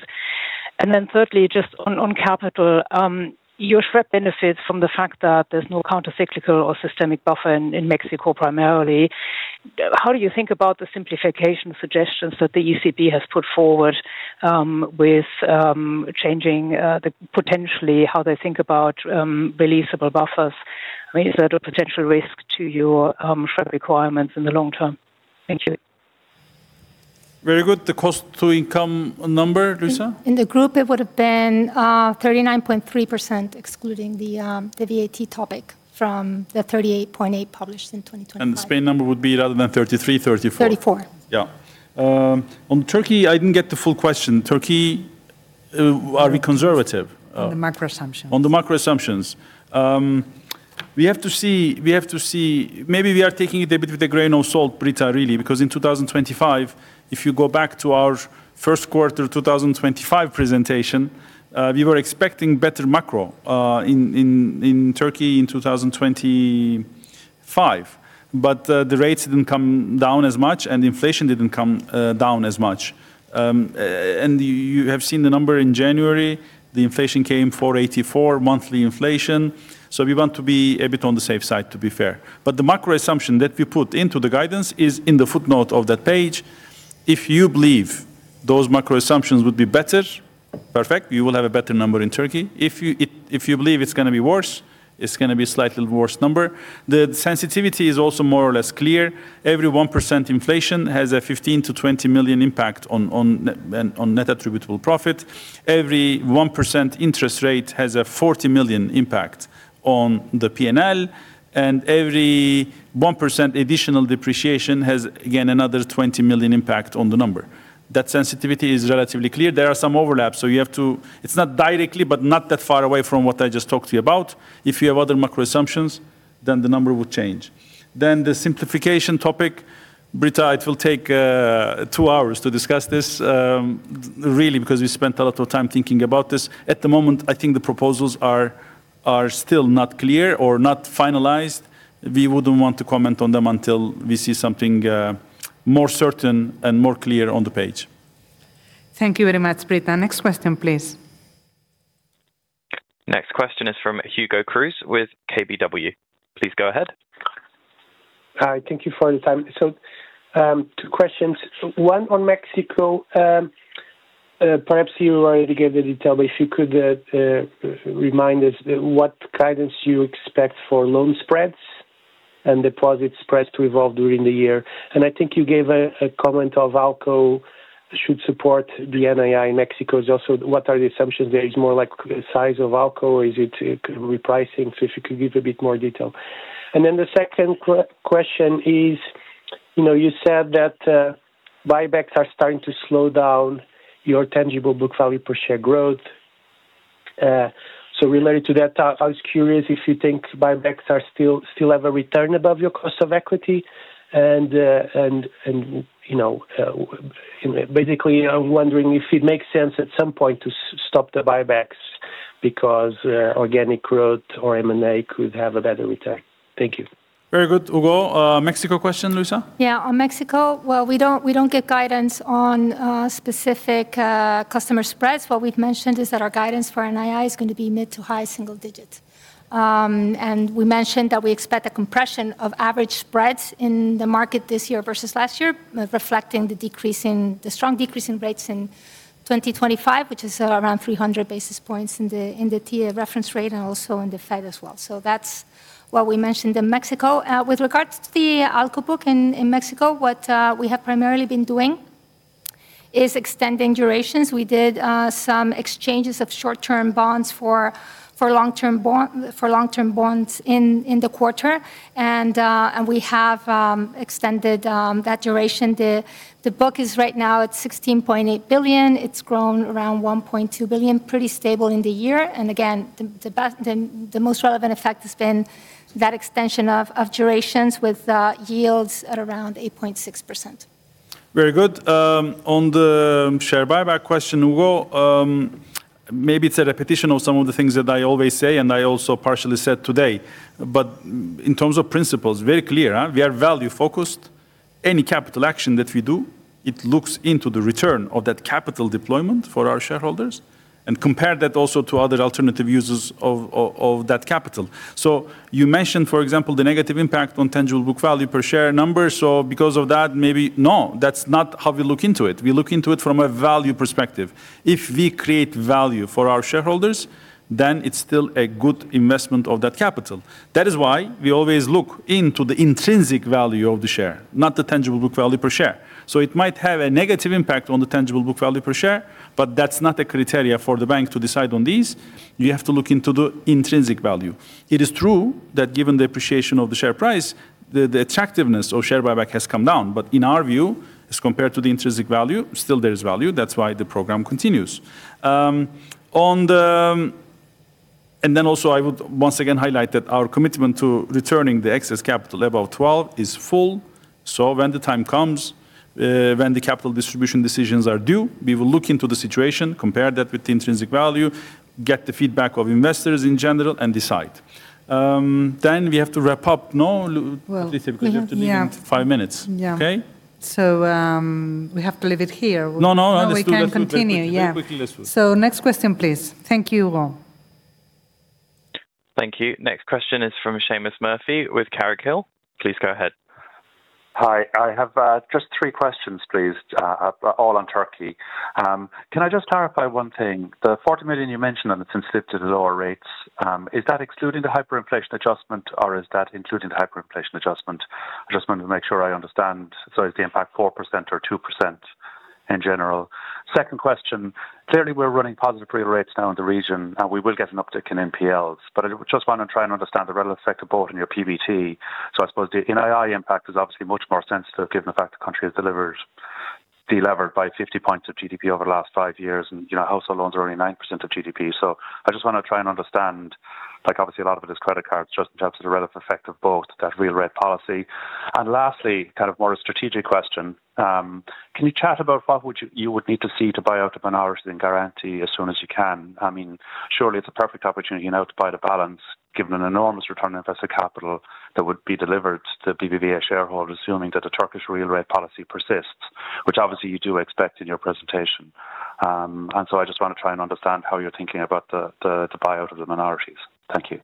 And then thirdly, just on on capital, you expect benefits from the fact that there's no countercyclical or systemic buffer in in Mexico, primarily. How do you think about the simplification suggestions that the ECB has put forward, with changing the... potentially how they think about releasable buffers? I mean, is that a potential risk to your share requirements in the long term? Thank you. Very good. The cost-to-income number, Luisa? In the group, it would have been 39.3%, excluding the VAT topic from the 38.8 published in 2025. The Spain number would be rather than 33, 34. Thirty-four. Yeah. On Turkey, I didn't get the full question. Turkey, are we conservative? On the macro assumptions. On the macro assumptions. We have to see, we have to see. Maybe we are taking it a bit with a grain of salt, Britta, really, because in 2025, if you go back to our first quarter 2025 presentation, we were expecting better macro in Turkey in 2025. But the rates didn't come down as much, and inflation didn't come down as much. And you have seen the number in January, the inflation came 4.84, monthly inflation. So we want to be a bit on the safe side, to be fair. But the macro assumption that we put into the guidance is in the footnote of that page. If you believe those macro assumptions would be better, perfect, you will have a better number in Turkey. If you believe it's gonna be worse, it's gonna be a slightly worse number. The sensitivity is also more or less clear. Every 1% inflation has a 15-20 million impact on net attributable profit. Every 1% interest rate has a 40 million impact on the P&L, and every 1% additional depreciation has, again, another 20 million impact on the number. That sensitivity is relatively clear. There are some overlaps, so you have to. It's not directly, but not that far away from what I just talked to you about. If you have other macro assumptions, then the number will change. Then the simplification topic, Britta, it will take two hours to discuss this, really, because we spent a lot of time thinking about this. At the moment, I think the proposals are still not clear or not finalized. We wouldn't want to comment on them until we see something more certain and more clear on the page. Thank you very much, Britta. Next question, please. Next question is from Hugo Cruz with KBW. Please go ahead. Hi, thank you for the time. So, two questions. One, on Mexico, perhaps you already gave the detail, but if you could, remind us what guidance you expect for loan spreads and deposit spreads to evolve during the year. And I think you gave a, a comment of ALCO should support the NII in Mexico. Also, what are the assumptions there? Is it more like the size of ALCO, or is it repricing? So if you could give a bit more detail. And then the second question is, you know, you said that, buybacks are starting to slow down your tangible book value per share growth. So, related to that, I was curious if you think buybacks are still have a return above your cost of equity, and, you know, basically, I'm wondering if it makes sense at some point to stop the buybacks because organic growth or M&A could have a better return. Thank you. Very good, Hugo. Mexico question, Luisa? Yeah. On Mexico, well, we don't, we don't give guidance on specific customer spreads. What we've mentioned is that our guidance for NII is going to be mid- to high-single digits. And we mentioned that we expect a compression of average spreads in the market this year versus last year, reflecting the strong decrease in rates in 2025, which is around 300 basis points in the TIIE reference rate and also in the Fed as well. So that's what we mentioned in Mexico. With regards to the ALCO book in Mexico, what we have primarily been doing is extending durations. We did some exchanges of short-term bonds for long-term bonds in the quarter. And we have extended that duration. The book is right now at 16.8 billion. It's grown around 1.2 billion, pretty stable in the year. And again, the best, the most relevant effect has been that extension of durations with yields at around 8.6%. Very good. On the share buyback question, Hugo, maybe it's a repetition of some of the things that I always say, and I also partially said today. But in terms of principles, very clear, we are value-focused. Any capital action that we do, it looks into the return of that capital deployment for our shareholders, and compare that also to other alternative uses of, of, of that capital. So you mentioned, for example, the negative impact on tangible book value per share number, so because of that, maybe... No, that's not how we look into it. We look into it from a value perspective. If we create value for our shareholders, then it's still a good investment of that capital. That is why we always look into the intrinsic value of the share, not the tangible book value per share. So it might have a negative impact on the tangible book value per share, but that's not a criterion for the bank to decide on these. You have to look into the intrinsic value. It is true that given the appreciation of the share price, the attractiveness of share buyback has come down. But in our view, as compared to the intrinsic value, still there is value. That's why the program continues. And then also, I would once again highlight that our commitment to returning the excess capital above 12 is full. So when the time comes, when the capital distribution decisions are due, we will look into the situation, compare that with the intrinsic value, get the feedback of investors in general, and decide. Then we have to wrap up, no, Luisa? Well, yeah. Because we have to leave in five minutes. Yeah. Okay? We have to leave it here. No, no, I understood. No, we can continue. Yeah. Very quickly, let's do. Next question, please. Thank you, Hugo. Thank you. Next question is from Seamus Murphy with Carraighill. Please go ahead. Hi, I have just 3 questions, please, all on Turkey. Can I just clarify one thing? The 40 million you mentioned on the sensitivity to the lower rates, is that excluding the hyperinflation adjustment, or is that including the hyperinflation adjustment? I just want to make sure I understand. So is the impact 4% or 2% in general? Second question: clearly, we're running positive real rates now in the region, and we will get an uptick in NPLs, but I just want to try and understand the relative effect of both on your PBT. So I suppose the NII impact is obviously much more sensitive, given the fact the country has de-levered by 50 points of GDP over the last 5 years, and, you know, household loans are only 9% of GDP. So I just want to try and understand, like, obviously, a lot of it is credit cards, just in terms of the relative effect of both that real rate policy. And lastly, kind of more a strategic question, can you chat about what would you, you would need to see to buy out of minorities in Garanti as soon as you can? I mean, surely it's a perfect opportunity now to buy the balance, given an enormous return on invested capital that would be delivered to BBVA shareholders, assuming that the Turkish real rate policy persists, which obviously you do expect in your presentation. And so I just want to try and understand how you're thinking about the buy out of the minorities. Thank you.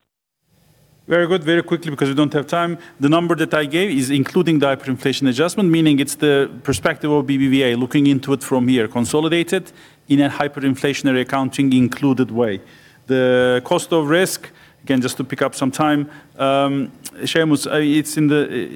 Very good. Very quickly, because we don't have time. The number that I gave is including the hyperinflation adjustment, meaning it's the perspective of BBVA, looking into it from here, consolidated in a hyperinflationary accounting included way. The cost of risk, again, just to pick up some time, Seamus,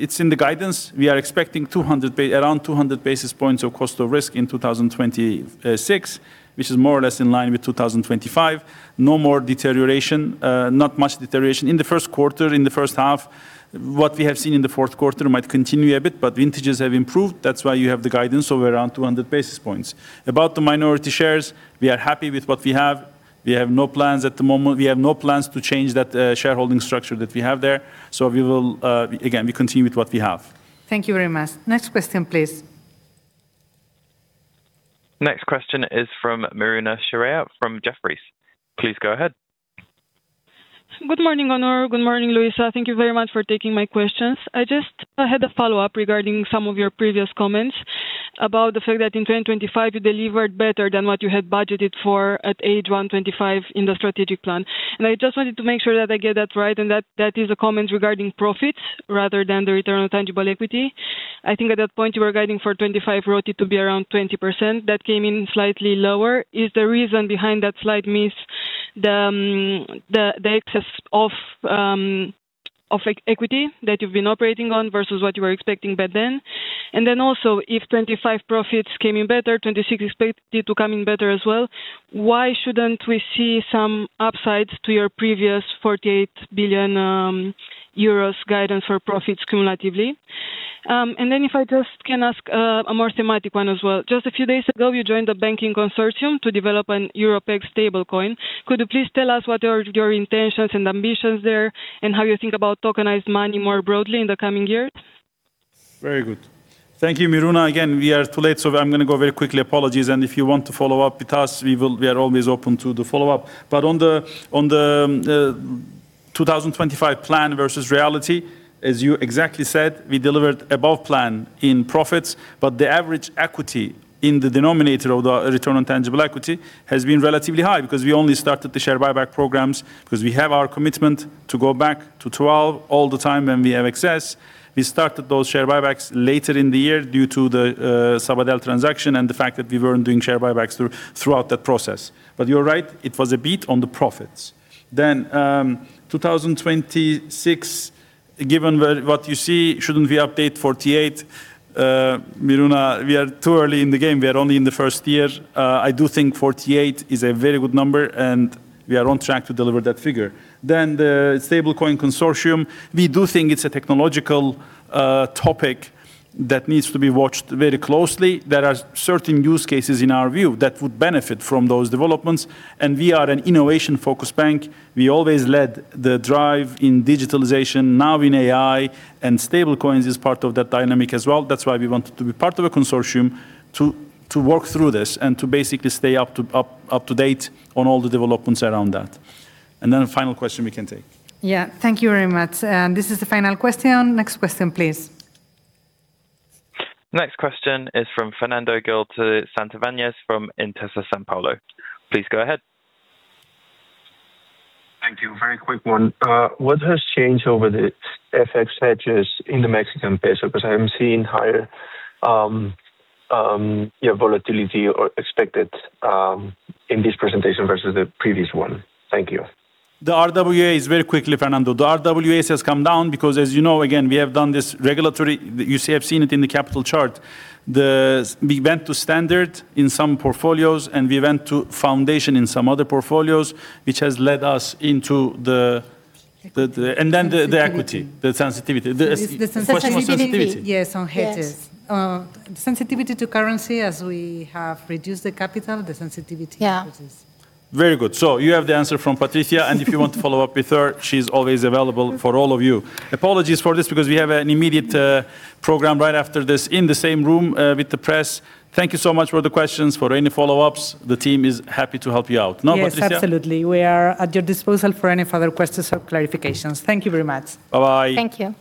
it's in the guidance. We are expecting around 200 basis points of cost of risk in 2026, which is more or less in line with 2025. No more deterioration, not much deterioration. In the first quarter, in the first half, what we have seen in the fourth quarter might continue a bit, but vintages have improved. That's why you have the guidance of around 200 basis points. About the minority shares, we are happy with what we have. We have no plans at the moment. We have no plans to change that, shareholding structure that we have there, so we will, again, we continue with what we have. Thank you very much. Next question, please. Next question is from Miruna Chirea from Jefferies. Please go ahead. Good morning, Onur. Good morning, Luisa. Thank you very much for taking my questions. I just, I had a follow-up regarding some of your previous comments about the fact that in 2025, you delivered better than what you had budgeted for at the end of 2025 in the strategic plan. I just wanted to make sure that I get that right, and that, that is a comment regarding profits rather than the return on tangible equity. I think at that point, you were guiding for 2025 ROTE to be around 20%. That came in slightly lower. Is the reason behind that slight miss the excess of equity that you've been operating on versus what you were expecting by then? And then also, if 2025 profits came in better, 2026 expected to come in better as well, why shouldn't we see some upsides to your previous 48 billion euros guidance for profits cumulatively? And then if I just can ask a more thematic one as well. Just a few days ago, you joined a banking consortium to develop a European stablecoin. Could you please tell us what are your intentions and ambitions there, and how you think about tokenized money more broadly in the coming years? Very good. Thank you, Miruna. Again, we are too late, so I'm going to go very quickly. Apologies, and if you want to follow up with us, we will - we are always open to the follow-up. But on the, on the 2025 plan versus reality, as you exactly said, we delivered above plan in profits, but the average equity in the denominator of the return on tangible equity has been relatively high, because we only started the share buyback programs, because we have our commitment to go back to 12 all the time when we have excess. We started those share buybacks later in the year due to the Sabadell transaction and the fact that we weren't doing share buybacks throughout that process. But you're right, it was a beat on the profits. Then, 2026, given where what you see, shouldn't we update 48? Miruna, we are too early in the game. We are only in the first year. I do think 48 is a very good number, and we are on track to deliver that figure. Then the stablecoin consortium, we do think it's a technological topic that needs to be watched very closely. There are certain use cases, in our view, that would benefit from those developments, and we are an innovation-focused bank. We always led the drive in digitalization, now in AI, and stablecoins is part of that dynamic as well. That's why we wanted to be part of a consortium to work through this and to basically stay up to date on all the developments around that. And then a final question we can take. Yeah. Thank you very much, and this is the final question. Next question, please. Next question is from Fernando Gil de Santivañes from Intesa Sanpaolo. Please go ahead. Thank you. Very quick one. What has changed over the FX hedges in the Mexican peso? Because I'm seeing higher volatility or expected in this presentation versus the previous one. Thank you. The RWA is... Very quickly, Fernando. The RWA has come down because, as you know, again, we have done this regulatory, you see, have seen it in the capital chart. We went to standard in some portfolios, and we went to foundation in some other portfolios, which has led us into the... And then the equity, the sensitivity. The question was sensitivity. The sensitivity, yes, on hedges. Yes. Sensitivity to currency, as we have reduced the capital, the sensitivity reduces. Yeah. Very good. You have the answer from Patricia, and if you want to follow up with her, she's always available for all of you. Apologies for this, because we have an immediate program right after this in the same room with the press. Thank you so much for the questions. For any follow-ups, the team is happy to help you out. No, Patricia? Yes, absolutely. We are at your disposal for any further questions or clarifications. Thank you very much. Bye-bye. Thank you.